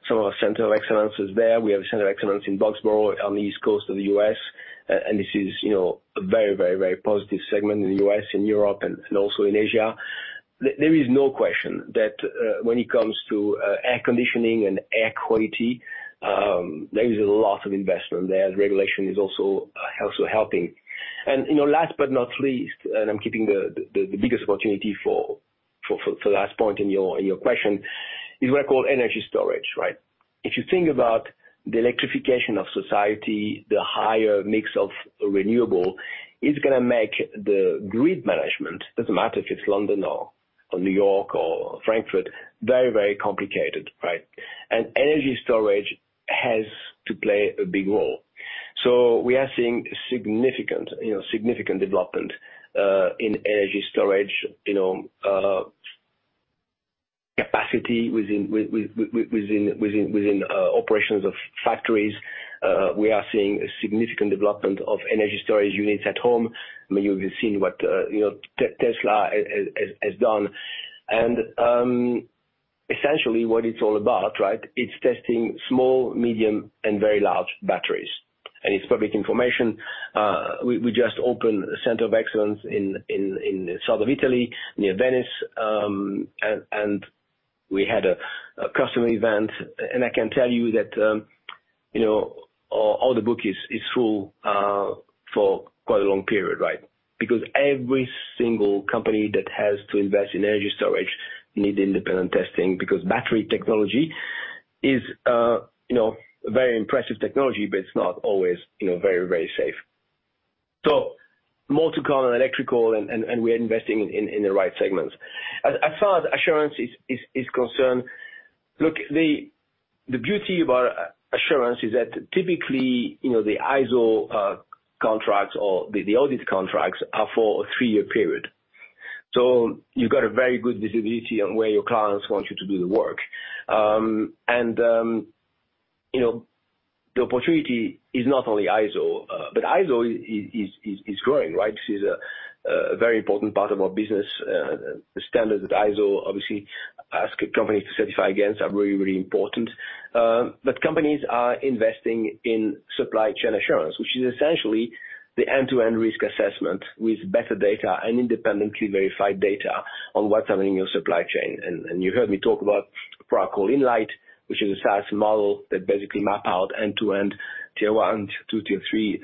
some of our center of excellences there. We have a center of excellence in Boxborough, on the east coast of the U.S., and this is, you know, a very, very, very positive segment in the U.S., in Europe, and, and also in Asia. There, there is no question that, when it comes to, air conditioning and air quality, there is a lot of investment there. Regulation is also, also helping. And, you know, last but not least, and I'm keeping the, the, the biggest opportunity for, for, for, for the last point in your, in your question, is what I call energy storage, right? If you think about the electrification of society, the higher mix of renewable, it's gonna make the grid management, doesn't matter if it's London or New York or Frankfurt, very, very complicated, right? And energy storage has to play a big role. So we are seeing significant, you know, significant development in energy storage, you know, capacity within operations of factories. We are seeing a significant development of energy storage units at home. I mean, you've seen what, you know, Tesla has done. And, essentially, what it's all about, right, it's testing small, medium, and very large batteries. It's public information, we just opened a center of excellence in the south of Italy, near Venice, and we had a customer event, and I can tell you that, you know, all the book is full for quite a long period, right? Because every single company that has to invest in energy storage need independent testing, because battery technology is, you know, very impressive technology, but it's not always, you know, very, very safe. So more to come on electrical and we are investing in the right segments. As far as assurance is concerned, look, the beauty about assurance is that typically, you know, the ISO contracts or the audit contracts are for a three-year period. So you've got a very good visibility on where your clients want you to do the work. And, you know, the opportunity is not only ISO, but ISO is growing, right? This is a very important part of our business. The standards that ISO obviously ask companies to certify against are really, really important. But companies are investing in supply chain assurance, which is essentially the end-to-end risk assessment with better data and independently verified data on what's happening in your supply chain. And you heard me talk about a product called Inlight, which is a SaaS model that basically map out end-to-end, tier one, tier two, tier three,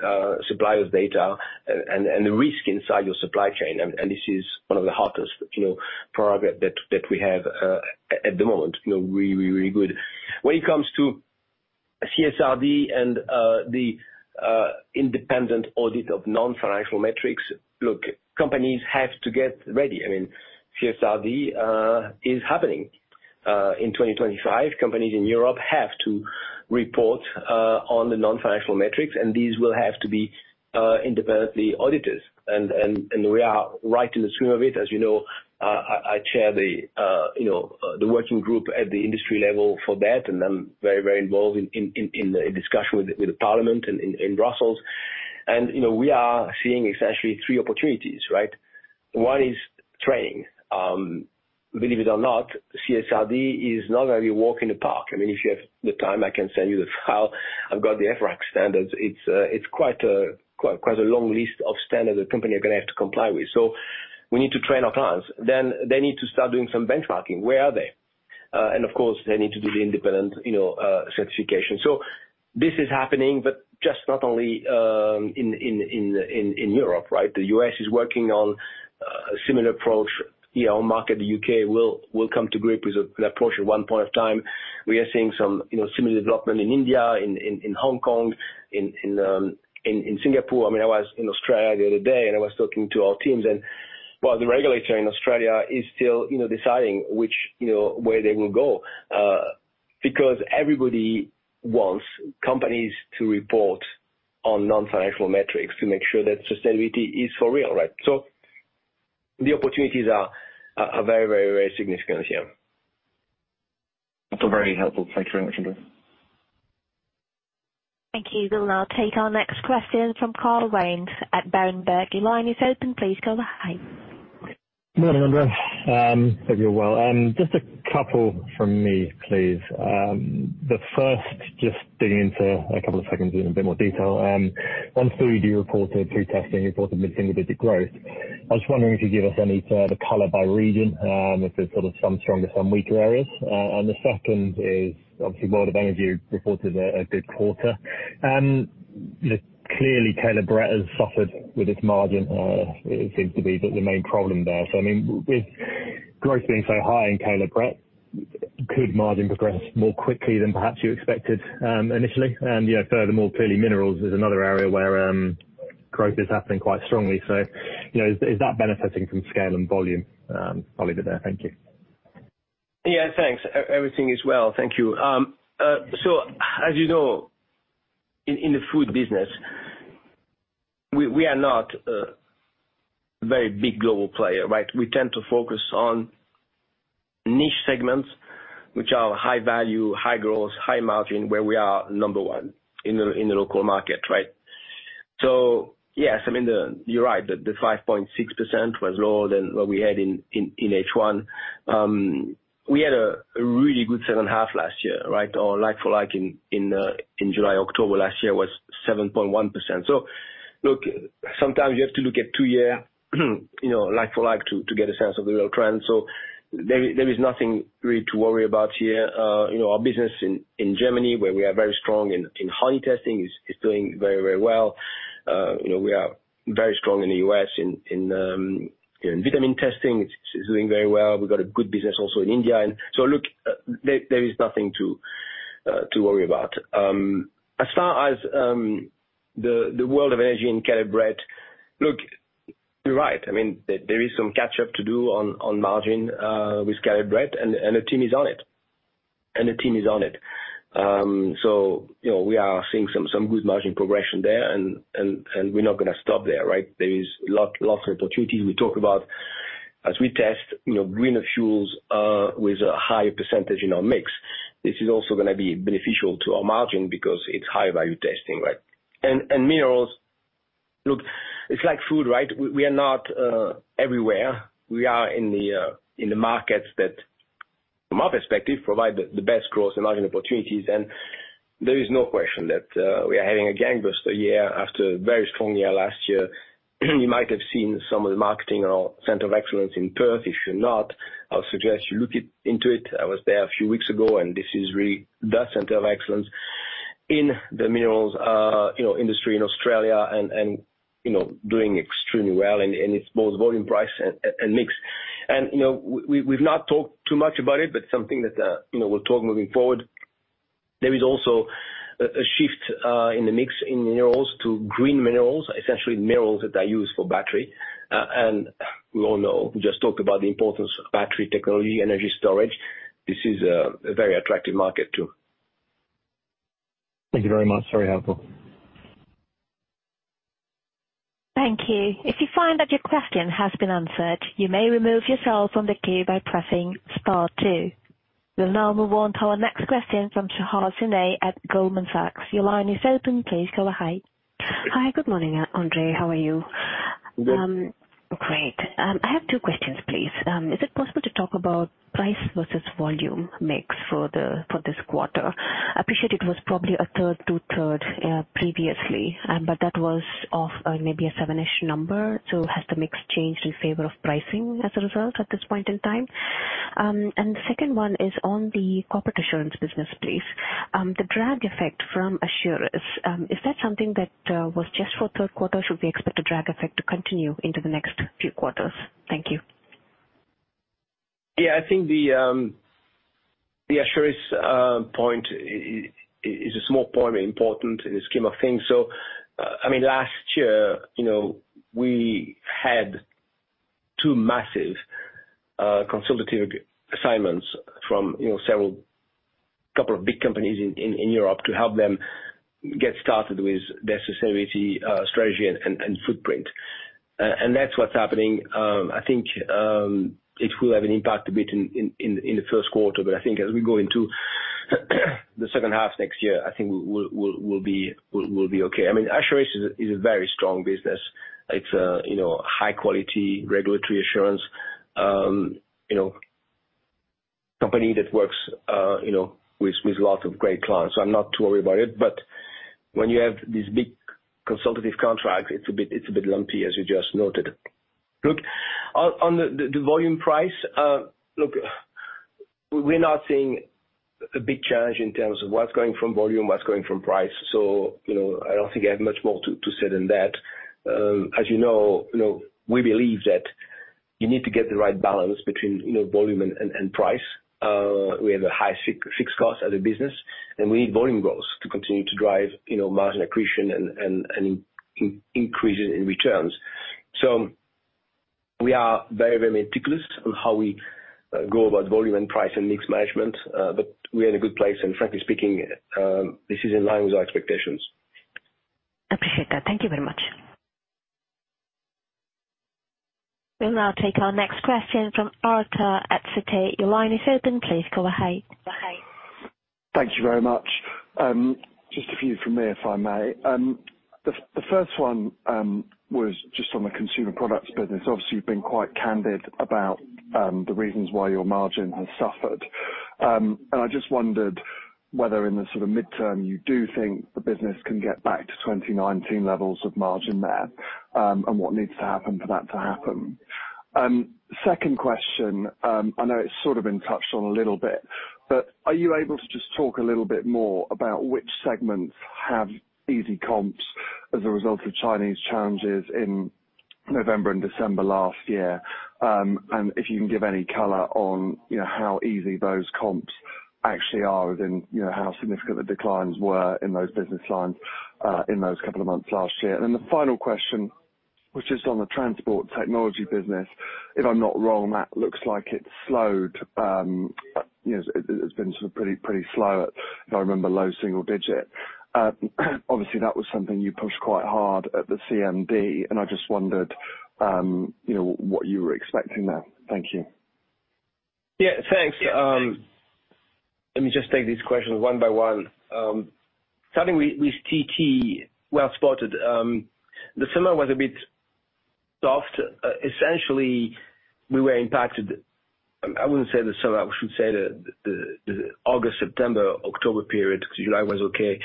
suppliers' data and the risk inside your supply chain. And this is one of the hottest, you know, product that we have at the moment. You know, really, really, really good. When it comes to CSRD and the independent audit of non-financial metrics, look, companies have to get ready. I mean, CSRD is happening in 2025. Companies in Europe have to report on the non-financial metrics, and these will have to be independently audited. And we are right in the swing of it. As you know, I chair the, you know, the working group at the industry level for that, and I'm very, very involved in the discussion with the parliament in Brussels. And, you know, we are seeing essentially three opportunities, right? One is training. Believe it or not, CSRD is not only a walk in the park, I mean, if you have the time, I can send you the file. I've got the EFRAG Standards. It's quite a long list of standards a company are gonna have to comply with. So we need to train our clients. Then they need to start doing some benchmarking. Where are they? And of course, they need to do the independent, you know, certification. So this is happening, but just not only in Europe, right? The U.S. is working on a similar approach. You know, market, the U.K. will come to grip with an approach at one point of time. We are seeing some, you know, similar development in India, in Hong Kong, in Singapore. I mean, I was in Australia the other day, and I was talking to our teams and-... Well, the regulator in Australia is still, you know, deciding which, you know, where they will go, because everybody wants companies to report on non-financial metrics to make sure that sustainability is for real, right? So the opportunities are, are very, very, very significant here. Very helpful. Thanks very much, André. Thank you. We'll now take our next question from Carl Raynsford at Berenberg. Your line is open, please go ahead. Good morning, André. Hope you're well. Just a couple from me, please. The first, just digging into a couple of segments in a bit more detail. On food, you reported through testing, you reported mid-single-digit growth. I was just wondering if you could give us any further color by region, if there's sort of some stronger, some weaker areas. And the second is, obviously, World of Energy reported a good quarter. Clearly, Caleb has suffered with its margin, it seems to be the main problem there. So I mean, with growth being so high in Caleb, could margin progress more quickly than perhaps you expected, initially? And, you know, furthermore, clearly, minerals is another area where growth is happening quite strongly. So, you know, is that benefiting from scale and volume? I'll leave it there. Thank you. Yeah, thanks. Everything is well, thank you. So as you know, in the food business, we are not a very big global player, right? We tend to focus on niche segments, which are high value, high growth, high margin, where we are number one in the local market, right? So yes, I mean, you're right, the 5.6% was lower than what we had in H1. We had a really good second half last year, right? Our like-for-like in July-October last year was 7.1%. So look, sometimes you have to look at two-year, you know, like-for-like to get a sense of the real trend. So there is nothing really to worry about here. You know, our business in Germany, where we are very strong in honey testing, is doing very well. You know, we are very strong in the US in vitamin testing, it's doing very well. We've got a good business also in India. And so, look, there is nothing to worry about. As far as the World of Energy and Caleb, look, you're right. I mean, there is some catch up to do on margin with Caleb, and the team is on it. And the team is on it. So, you know, we are seeing some good margin progression there, and we're not gonna stop there, right? There is lots of opportunities we talk about. As we test, you know, greener fuels with a higher percentage in our mix, this is also gonna be beneficial to our margin because it's high value testing, right? And minerals, look, it's like food, right? We are not everywhere. We are in the markets that, from our perspective, provide the best growth and margin opportunities. And there is no question that we are having a gangbuster year after a very strong year last year. You might have seen some of the marketing in our center of excellence in Perth. If you've not, I'll suggest you look into it. I was there a few weeks ago, and this is really that center of excellence in the minerals industry in Australia, you know, doing extremely well, and it's both volume, price, and mix. You know, we, we've not talked too much about it, but something that, you know, we'll talk moving forward. There is also a, a shift, in the mix in minerals to green minerals, essentially minerals that are used for battery. And we all know, just talked about the importance of battery technology, energy storage. This is a, a very attractive market, too. Thank you very much. Very helpful. Thank you. If you find that your question has been answered, you may remove yourself from the queue by pressing star two. We'll now move on to our next question from Shahar Sinai at Goldman Sachs. Your line is open. Please go ahead. Hi. Good morning, André. How are you? Good. Great. I have two questions, please. Is it possible to talk about price versus volume mix for the, for this quarter? I appreciate it was probably a third to third, previously, but that was off, maybe a seven-ish number, so has the mix changed in favor of pricing as a result at this point in time? And the second one is on the Corporate Assurance business, please. The drag effect from Assurance, is that something that, was just for third quarter? Should we expect the drag effect to continue into the next few quarters? Thank you. Yeah, I think the Assurance point is a small point, but important in the scheme of things. So, I mean, last year, you know, we had two massive consultative assignments from you know a couple of big companies in Europe, to help them get started with their sustainability strategy and footprint. And that's what's happening. I think it will have an impact a bit in the first quarter, but I think as we go into the second half next year, I think we'll be okay. I mean, Assurance is a very strong business. It's a high quality, regulatory assurance company that works with lots of great clients, so I'm not too worried about it. But when you have these big consultative contracts, it's a bit, it's a bit lumpy, as you just noted. Look, on the volume price, we're not seeing a big change in terms of what's going from volume, what's going from price. So, you know, I don't think I have much more to say than that. As you know, you know, we believe that you need to get the right balance between, you know, volume and price. We have a high fixed cost as a business, and we need volume growth to continue to drive, you know, margin accretion and increase in returns. So. We are very, very meticulous on how we go about volume and price and mix management, but we are in a good place, and frankly speaking, this is in line with our expectations. Appreciate that. Thank you very much. We'll now take our next question from Arthur at Citi. Your line is open, please go ahead. Thank you very much. Just a few from me, if I may. The first one was just on the Consumer Products business. Obviously, you've been quite candid about the reasons why your margin has suffered. I just wondered whether in the sort of midterm, you do think the business can get back to 2019 levels of margin there, and what needs to happen for that to happen? Second question, I know it's sort of been touched on a little bit, but are you able to just talk a little bit more about which segments have easy comps as a result of Chinese challenges in November and December last year? If you can give any color on, you know, how easy those comps actually are within, you know, how significant the declines were in those business lines, in those couple of months last year. Then the final question, which is on the transport technology business, if I'm not wrong, that looks like it's slowed. You know, it has been sort of pretty, pretty slow, if I remember, low single digit. Obviously, that was something you pushed quite hard at the CMD, and I just wondered, you know, what you were expecting there. Thank you. Yeah, thanks. Let me just take these questions one by one. Starting with TT, well spotted. The summer was a bit soft. Essentially, we were impacted, I wouldn't say the summer, I should say the August, September, October period, because July was okay.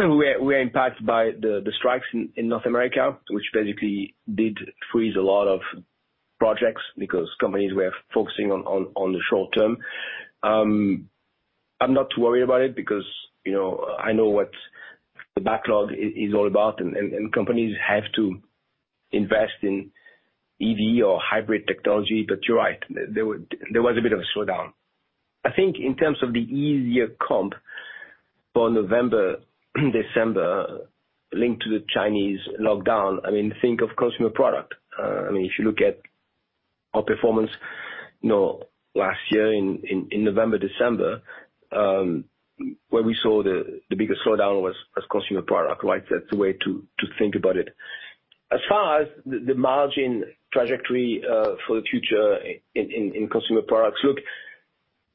We were impacted by the strikes in North America, which basically did freeze a lot of projects because companies were focusing on the short term. I'm not too worried about it because, you know, I know what the backlog is all about, and companies have to invest in EV or hybrid technology, but you're right, there was a bit of a slowdown. I think in terms of the easier comp for November, December, linked to the Chinese lockdown, I mean, think of consumer product. I mean, if you look at our performance, you know, last year in November, December, where we saw the biggest slowdown was Consumer Products, right? That's the way to think about it. As far as the margin trajectory for the future in Consumer Products, look,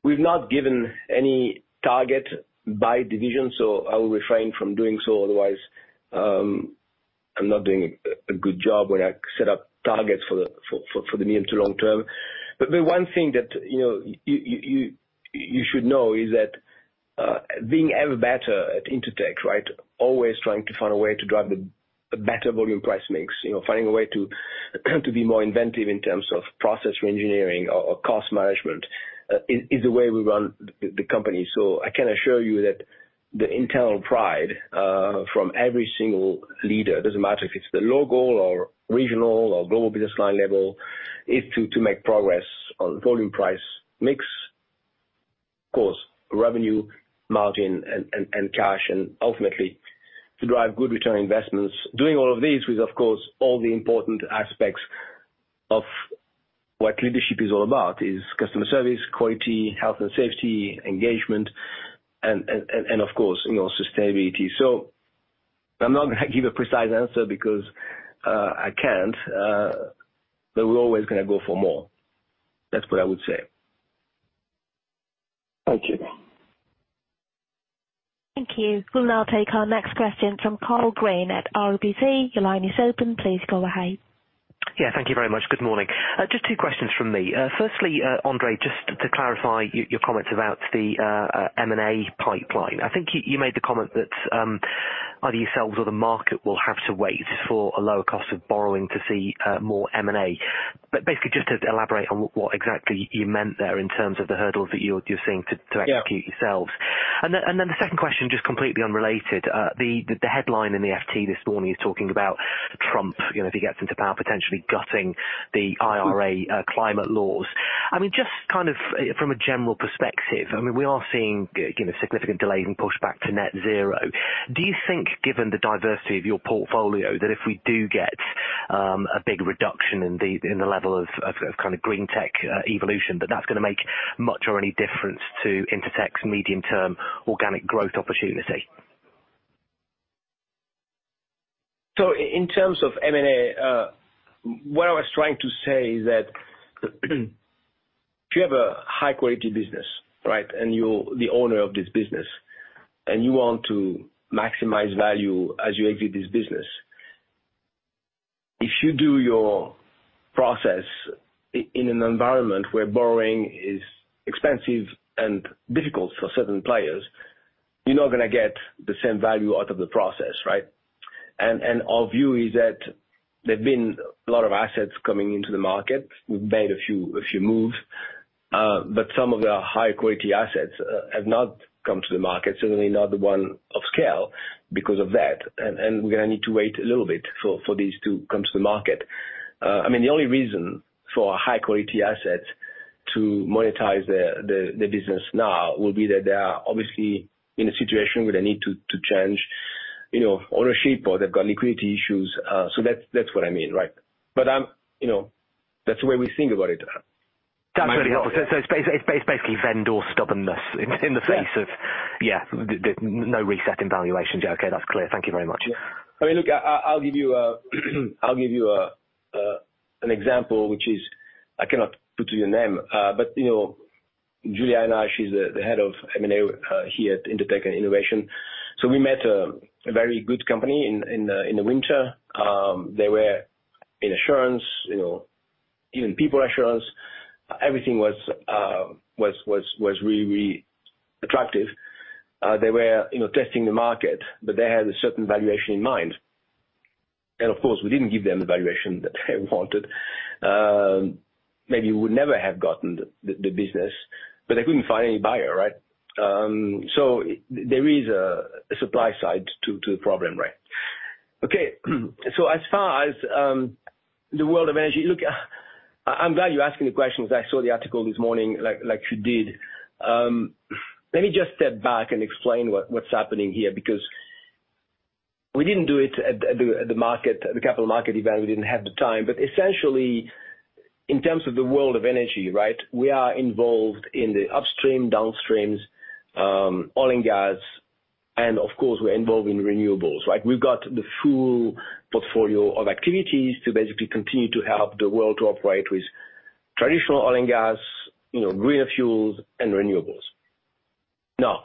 we've not given any target by division, so I will refrain from doing so, otherwise, I'm not doing a good job when I set up targets for the medium to long term. But the one thing that, you know, you should know is that, being ever better at Intertek, right? Always trying to find a way to drive the better volume price mix, you know, finding a way to be more inventive in terms of process reengineering or cost management is the way we run the company. So I can assure you that the internal pride from every single leader, doesn't matter if it's the local or regional or global business line level, is to make progress on volume-price mix. Of course, revenue, margin, and cash, and ultimately to drive good return investments. Doing all of these with, of course, all the important aspects of what leadership is all about, is customer service, quality, health and safety, engagement, and of course, you know, sustainability. So I'm not gonna give a precise answer because I can't, but we're always gonna go for more. That's what I would say. Thank you. Thank you. We'll now take our next question from Karl Green at RBC. Your line is open, please go ahead. Yeah, thank you very much. Good morning. Just two questions from me. Firstly, André, just to clarify your comments about the M&A pipeline. I think you made the comment that either yourselves or the market will have to wait for a lower cost of borrowing to see more M&A. But basically, just to elaborate on what exactly you meant there in terms of the hurdles that you're seeing to- Yeah... to execute yourselves. And then the second question, just completely unrelated, the headline in the FT this morning is talking about Trump, you know, if he gets into power, potentially gutting the IRA, climate laws. I mean, just kind of from a general perspective, I mean, we are seeing, you know, significant delays in pushback to net zero. Do you think, given the diversity of your portfolio, that if we do get a big reduction in the level of kind of green tech evolution, that that's gonna make much or any difference to Intertek's medium-term organic growth opportunity? So in terms of M&A, what I was trying to say is that, if you have a high-quality business, right? And you're the owner of this business, and you want to maximize value as you exit this business, if you do your process in an environment where borrowing is expensive and difficult for certain players, you're not gonna get the same value out of the process, right? And our view is that there've been a lot of assets coming into the market. We've made a few moves, but some of the high-quality assets have not come to the market, certainly not the one of scale, because of that. And we're gonna need to wait a little bit for these to come to the market. I mean, the only reason for a high-quality asset to monetize their, the business now will be that they are obviously in a situation where they need to change... you know, on a sheet board, they've got liquidity issues. So that, that's what I mean, right? But I'm, you know, that's the way we think about it. That's really helpful. So it's basically vendor stubbornness in the face of- Yeah. Yeah, the no reset in valuations. Okay, that's clear. Thank you very much. I mean, look, I, I'll give you a, I'll give you a, an example, which is, I cannot put to you a name. But, you know, Juliana, she's the, the head of M&A, here at Intertek and Innovation. So we met a, a very good company in, in the, in the winter. They were in insurance, you know, even people insurance. Everything was, was, was really, really attractive. They were, you know, testing the market, but they had a certain valuation in mind. And of course, we didn't give them the valuation that they wanted. Maybe we would never have gotten the, the, the business, but they couldn't find any buyer, right? So there is a, a supply side to, to, the problem, right. Okay. So as far as the World of Energy, look, I’m glad you’re asking the questions. I saw the article this morning, like you did. Let me just step back and explain what’s happening here, because we didn’t do it at the capital market event; we didn’t have the time. But essentially, in terms of the World of Energy, right, we are involved in the upstream, downstreams, oil and gas, and of course, we’re involved in renewables, right? We’ve got the full portfolio of activities to basically continue to help the world to operate with traditional oil and gas, you know, greener fuels and renewables. Now,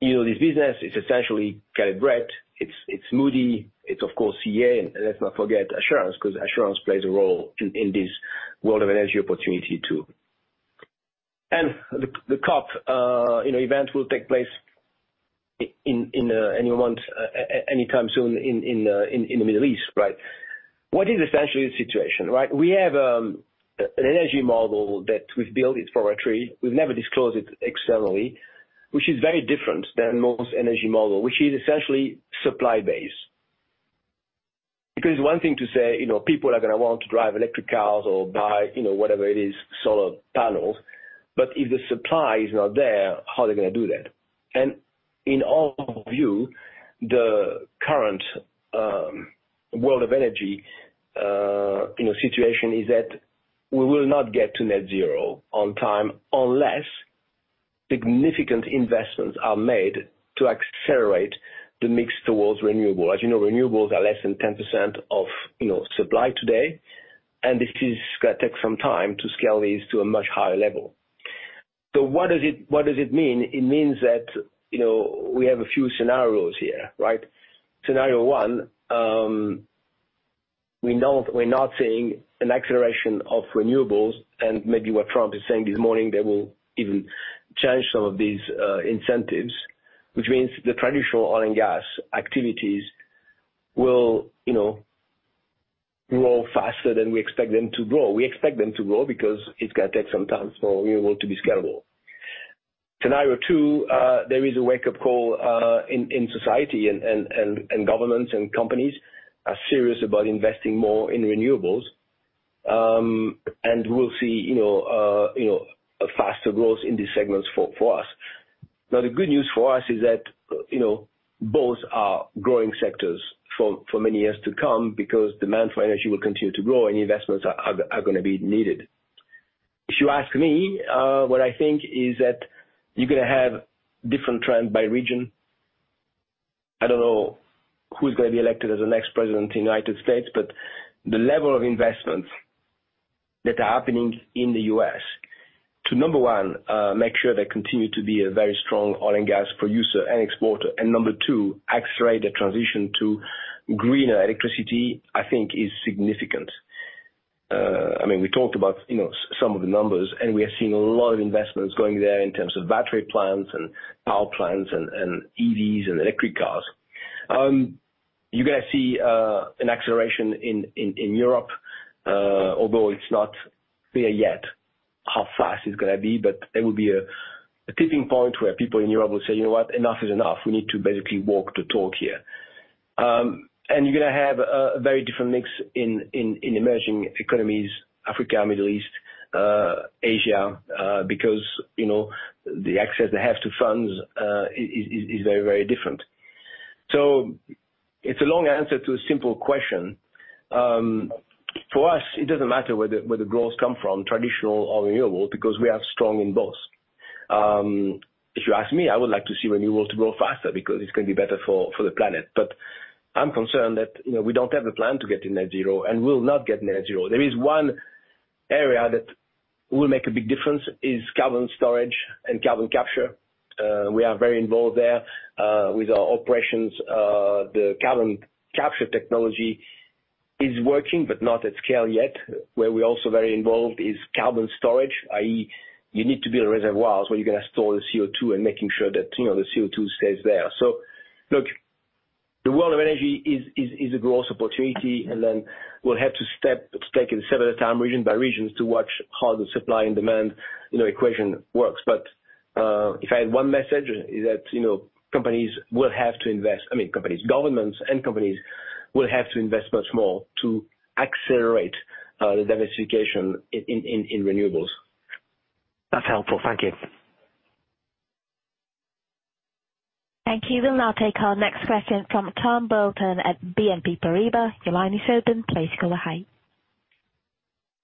you know, this business is essentially calibrated. It’s Moody, it’s of course CA, and let’s not forget Assurance, ’cause Assurance plays a role in this World of Energy opportunity, too. And the COP, you know, event will take place in any month, anytime soon in the Middle East, right? What is essentially the situation, right? We have an energy model that we've built; it's proprietary. We've never disclosed it externally, which is very different than most energy model, which is essentially supply base. Because it's one thing to say, you know, people are gonna want to drive electric cars or buy, you know, whatever it is, solar panels, but if the supply is not there, how are they gonna do that? And in our view, the current World of Energy, you know, situation is that we will not get to Net Zero on time, unless significant investments are made to accelerate the mix towards renewable. As you know, renewables are less than 10% of, you know, supply today, and this is gonna take some time to scale these to a much higher level. So what does it, what does it mean? It means that, you know, we have a few scenarios here, right? Scenario one, we know we're not seeing an acceleration of renewables, and maybe what Trump is saying this morning, they will even change some of these, uh, incentives. Which means the traditional oil and gas activities will, you know, grow faster than we expect them to grow. We expect them to grow because it's gonna take some time for renewable to be scalable. Scenario two, there is a wake-up call, in, in society and governments and companies are serious about investing more in renewables. And we'll see, you know, you know, a faster growth in these segments for, for us. Now, the good news for us is that, you know, both are growing sectors for, for many years to come because demand for energy will continue to grow and investments are gonna be needed. If you ask me, what I think is that you're gonna have different trends by region. I don't know who is gonna be elected as the next president of the United States, but the level of investments that are happening in the U.S. to number one, make sure they continue to be a very strong oil and gas producer and exporter. And number two, accelerate the transition to greener electricity, I think is significant. I mean, we talked about, you know, some of the numbers, and we are seeing a lot of investments going there in terms of battery plants and power plants and EVs and electric cars. You're gonna see an acceleration in Europe, although it's not clear yet how fast it's gonna be, but there will be a tipping point where people in Europe will say: You know what? Enough is enough. We need to basically walk the talk here. And you're gonna have a very different mix in emerging economies, Africa, Middle East, Asia, because, you know, the access they have to funds is very, very different. So it's a long answer to a simple question. For us, it doesn't matter where the, where the growth come from, traditional or renewable, because we are strong in both. If you ask me, I would like to see renewables to grow faster because it's gonna be better for, for the planet. But I'm concerned that, you know, we don't have a plan to get to net zero, and we'll not get net zero. There is one area that will make a big difference, is carbon storage and carbon capture. We are very involved there, with our operations. The carbon capture technology is working, but not at scale yet. Where we're also very involved is carbon storage, i.e., you need to build reservoirs where you're gonna store the CO2 and making sure that, you know, the CO2 stays there. So look, the World of Energy is a growth opportunity, and then we'll have to take it a step at a time, region by region, to watch how the supply and demand, you know, equation works. But if I had one message is that, you know, companies will have to invest, I mean, companies, governments and companies, will have to invest much more to accelerate the diversification in renewables.... That's helpful. Thank you. Thank you. We'll now take our next question from Tom Burlton at BNP Paribas. Your line is open, please go ahead.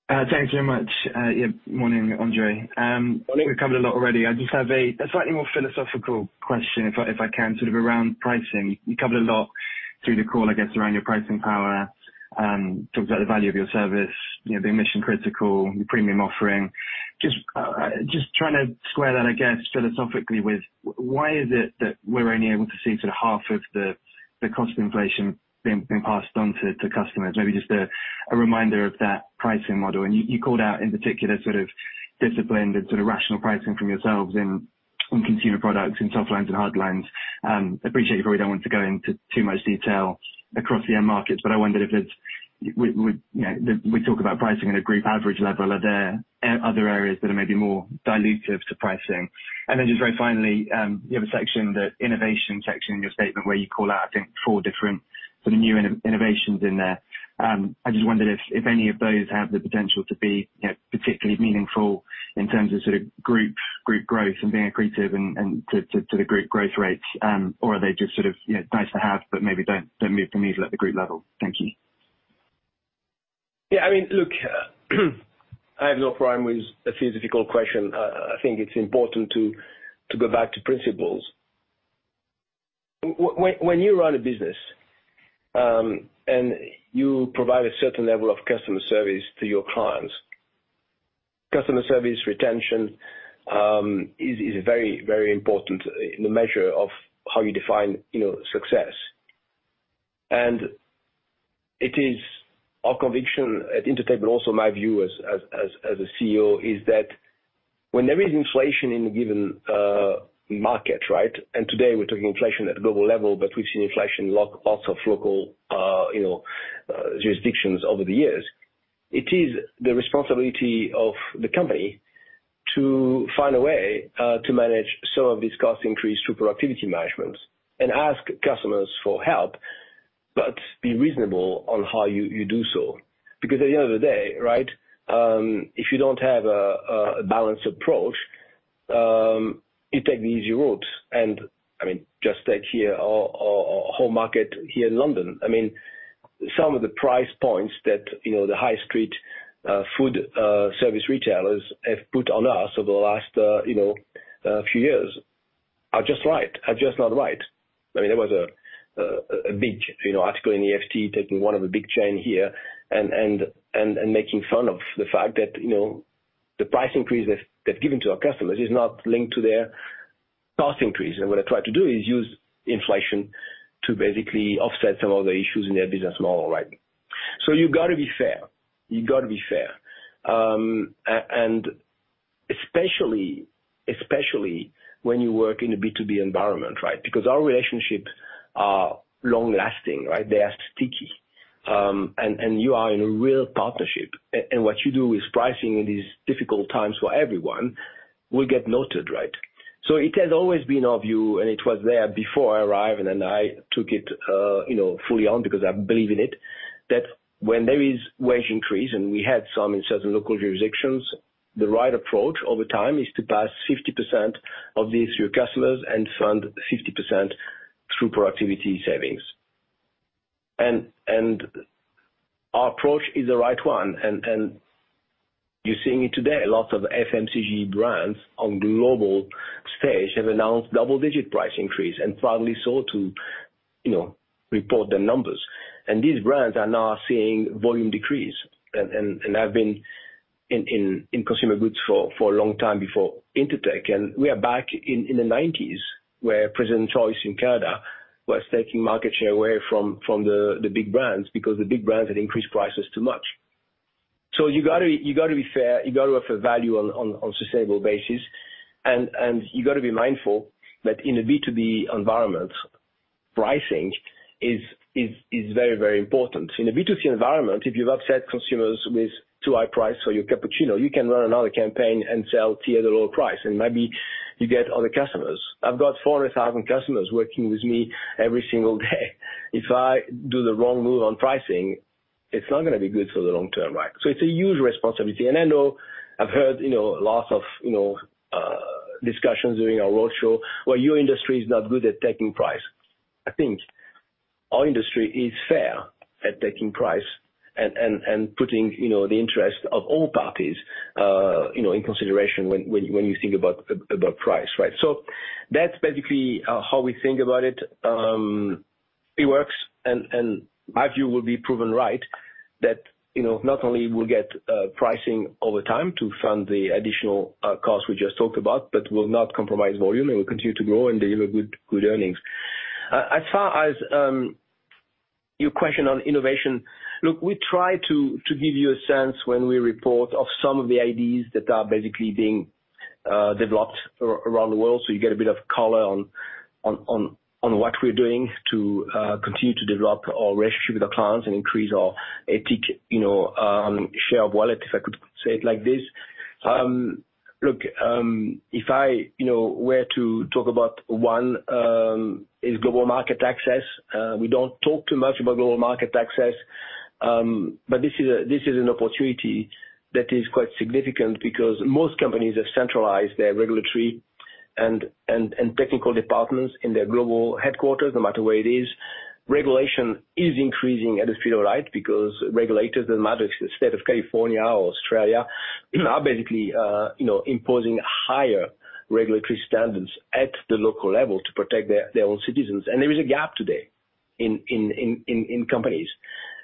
Thank you very much. Yeah, morning, André. I think we've covered a lot already. I just have a slightly more philosophical question, if I can, sort of around pricing. You covered a lot through the call, I guess, around your pricing power, talks about the value of your service, you know, the mission critical, your premium offering. Just trying to square that, I guess, philosophically with why is it that we're only able to see sort of half of the cost inflation being passed on to customers? Maybe just a reminder of that pricing model. And you called out in particular, sort of disciplined and sort of rational pricing from yourselves in, on Consumer Products, in Softlines and Hardlines. Appreciate you probably don't want to go into too much detail across the end markets, but, you know, we talk about pricing at a group average level, are there other areas that are maybe more dilutive to pricing? And then just very finally, you have a section, the innovation section in your statement where you call out, I think, four different sort of new innovations in there. I just wondered if any of those have the potential to be, you know, particularly meaningful in terms of sort of group growth and being accretive and to the group growth rates, or are they just sort of, you know, nice to have, but maybe don't move the needle at the group level? Thank you. Yeah, I mean, look, I have no problem with a philosophical question. I think it's important to go back to principles. When you run a business and you provide a certain level of customer service to your clients, customer service retention is very, very important in the measure of how you define, you know, success. It is our conviction at Intertek, but also my view as a CEO, that when there is inflation in a given market, right, and today we're talking inflation at a global level, but we've seen inflation in lots of local jurisdictions over the years, it is the responsibility of the company to find a way to manage some of these cost increase through productivity managements, and ask customers for help, but be reasonable on how you do so. Because at the end of the day, right, if you don't have a balanced approach, you take the easy route. I mean, just take here our home market here in London. I mean, some of the price points that, you know, the high street food service retailers have put on us over the last, you know, few years are just right, are just not right. I mean, there was a big, you know, article in the FT taking one of the big chain here and making fun of the fact that, you know, the price increase they've given to our customers is not linked to their cost increase. And what I try to do is use inflation to basically offset some of the issues in their business model, right? So you've got to be fair, you've got to be fair. And especially, especially when you work in a B2B environment, right? Because our relationships are long lasting, right? They are sticky. And you are in a real partnership, and what you do with pricing in these difficult times for everyone, will get noted, right? So it has always been our view, and it was there before I arrived, and then I took it, you know, fully on because I believe in it, that when there is wage increase, and we had some in certain local jurisdictions, the right approach over time is to pass 50% of these to your customers and fund 50% through productivity savings. And our approach is the right one, and you're seeing it today. Lots of FMCG brands on global stage have announced double-digit price increase and finally sought to, you know, report their numbers. And these brands are now seeing volume decrease. I've been in consumer goods for a long time before Intertek, and we are back in the 1990s, where President's Choice in Canada was taking market share away from the big brands, because the big brands had increased prices too much. So you gotta be fair, you gotta offer value on a sustainable basis, and you've got to be mindful that in a B2B environment, pricing is very, very important. In a B2C environment, if you've upset consumers with too high price for your cappuccino, you can run another campaign and sell tea at a lower price, and maybe you get other customers. I've got 400,000 customers working with me every single day. If I do the wrong move on pricing, it's not gonna be good for the long term, right? So it's a huge responsibility. I know I've heard, you know, lots of, you know, discussions during our roadshow, "Well, your industry is not good at taking price." I think our industry is fair at taking price and putting, you know, the interest of all parties, you know, in consideration when you think about price, right? So that's basically how we think about it. It works, and my view will be proven right, that, you know, not only we'll get pricing over time to fund the additional costs we just talked about, but we'll not compromise volume and we'll continue to grow and deliver good, good earnings. As far as your question on innovation, look, we try to give you a sense when we report of some of the ideas that are basically being developed around the world, so you get a bit of color on what we're doing to continue to develop our relationship with our clients and increase our ATIC, you know, share of wallet, if I could say it like this. Look, if I, you know, were to talk about one, is global market access. We don't talk too much about global market access. But this is a, this is an opportunity that is quite significant because most companies have centralized their regulatory and technical departments in their global headquarters, no matter where it is. Regulation is increasing at the speed of light because regulators in the state of California or Australia are basically, you know, imposing higher regulatory standards at the local level to protect their, their own citizens. And there is a gap today in companies.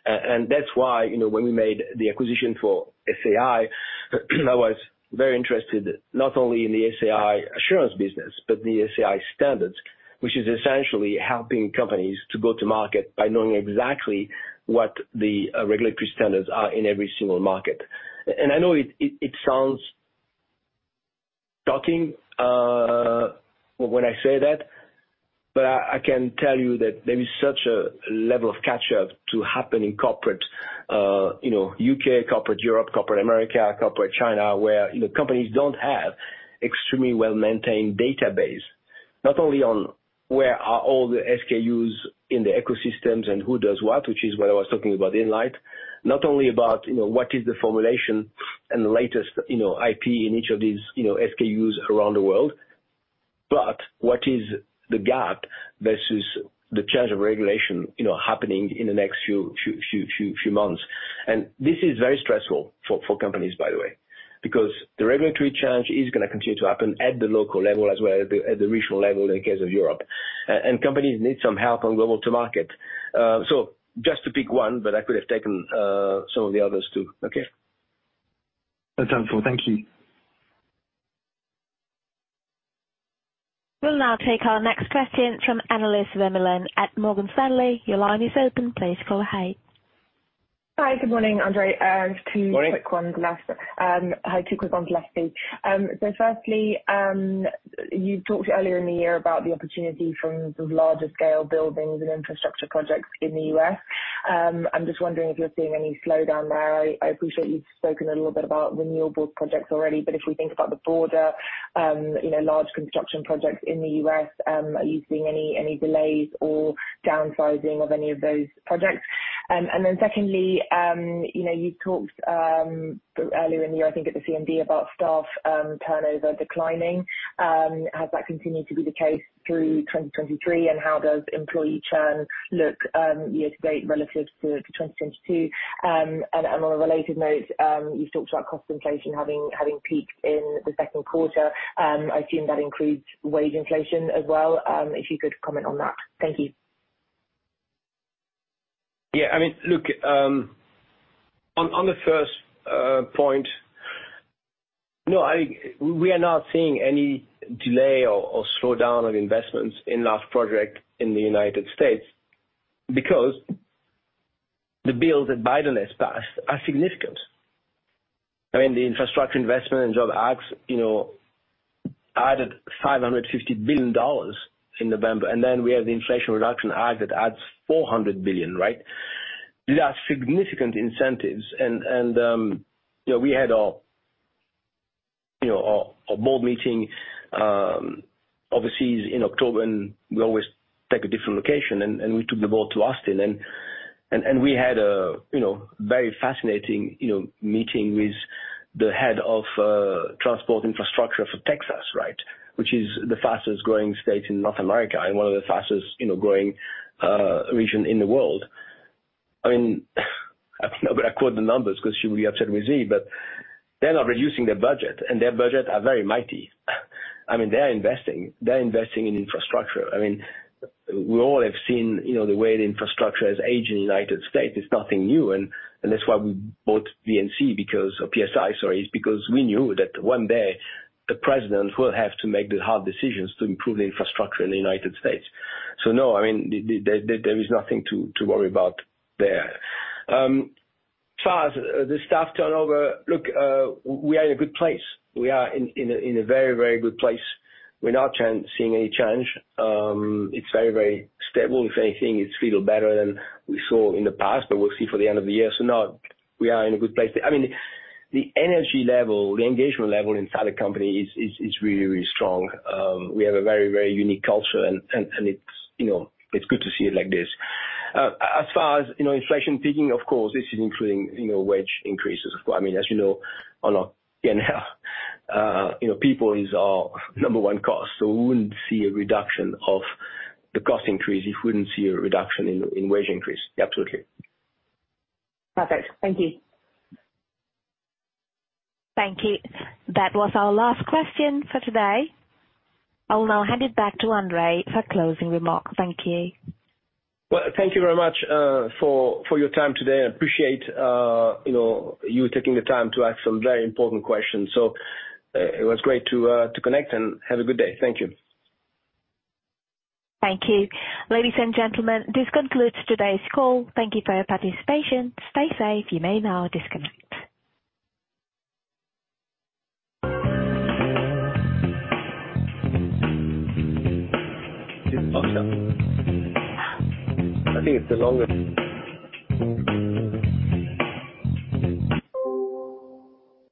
And that's why, you know, when we made the acquisition for SAI, I was very interested, not only in the SAI assurance business, but the SAI standards, which is essentially helping companies to go to market by knowing exactly what the regulatory standards are in every single market. And I know it sounds talking, when I say that, but I can tell you that there is such a level of catch-up to happen in corporate, you know, U.K., corporate Europe, corporate America, corporate China, where, you know, companies don't have extremely well-maintained database. Not only on where are all the SKUs in the ecosystems and who does what, which is what I was talking about in Inlight, not only about, you know, what is the formulation and the latest, you know, IP in each of these, you know, SKUs around the world, but what is the gap versus the change of regulation, you know, happening in the next few months. And this is very stressful for companies, by the way, because the regulatory change is gonna continue to happen at the local level as well, at the regional level, in the case of Europe. And companies need some help on go-to-market. So just to pick one, but I could have taken some of the others, too. Okay? That's helpful. Thank you. We'll now take our next question from analyst, Annelies Vermeulen, at Morgan Stanley. Your line is open. Please go ahead. Hi. Good morning, André. Morning. Two quick ones, lastly. So firstly, you talked earlier in the year about the opportunity from the larger scale buildings and infrastructure projects in the US. I'm just wondering if you're seeing any slowdown there. I appreciate you've spoken a little bit about renewable projects already, but if we think about the broader, you know, large construction projects in the US, are you seeing any delays or downsizing of any of those projects? And then secondly, you know, you talked earlier in the year, I think at the CMD, about staff turnover declining. Has that continued to be the case through 2023? And how does employee churn look year to date relative to 2022? On a related note, you've talked about cost inflation having peaked in the second quarter. I assume that includes wage inflation as well. If you could comment on that. Thank you. Yeah, I mean, look, on the first point, no. We are not seeing any delay or slowdown on investments in large project in the United States, because the bills that Biden has passed are significant. I mean, the Infrastructure Investment and Jobs Act, you know, added $500 billion in November, and then we have the Inflation Reduction Act that adds $400 billion, right? These are significant incentives, and, you know, we had a, you know, board meeting overseas in October, and we always take a different location, and we took the board to Austin. And we had a, you know, very fascinating, you know, meeting with the head of transport infrastructure for Texas, right? Which is the fastest growing state in North America and one of the fastest, you know, growing region in the world. I mean, I'm not gonna quote the numbers because she will be upset with me, but they're not reducing their budget, and their budget are very meaty. I mean, they're investing, they're investing in infrastructure. I mean, we all have seen, you know, the way the infrastructure has aged in the United States. It's nothing new, and that's why we bought VNC because, or PSI, sorry, is because we knew that one day the president will have to make the hard decisions to improve the infrastructure in the United States. So no, I mean, there is nothing to worry about there. As far as the staff turnover, look, we are in a good place. We are in a very, very good place. We're not seeing any change. It's very, very stable. If anything, it's feel better than we saw in the past, but we'll see for the end of the year. So no, we are in a good place. I mean, the energy level, the engagement level inside the company is really, really strong. We have a very, very unique culture and it's, you know, it's good to see it like this. As far as, you know, inflation peaking, of course, this is including, you know, wage increases. I mean, as you know, on, you know, people is our number one cost, so we wouldn't see a reduction of the cost increase if we wouldn't see a reduction in wage increase. Absolutely. Perfect. Thank you. Thank you. That was our last question for today. I will now hand it back to André for closing remarks. Thank you. Well, thank you very much for your time today. I appreciate, you know, you taking the time to ask some very important questions. So, it was great to connect, and have a good day. Thank you. Thank you. Ladies and gentlemen, this concludes today's call. Thank you for your participation. Stay safe. You may now disconnect.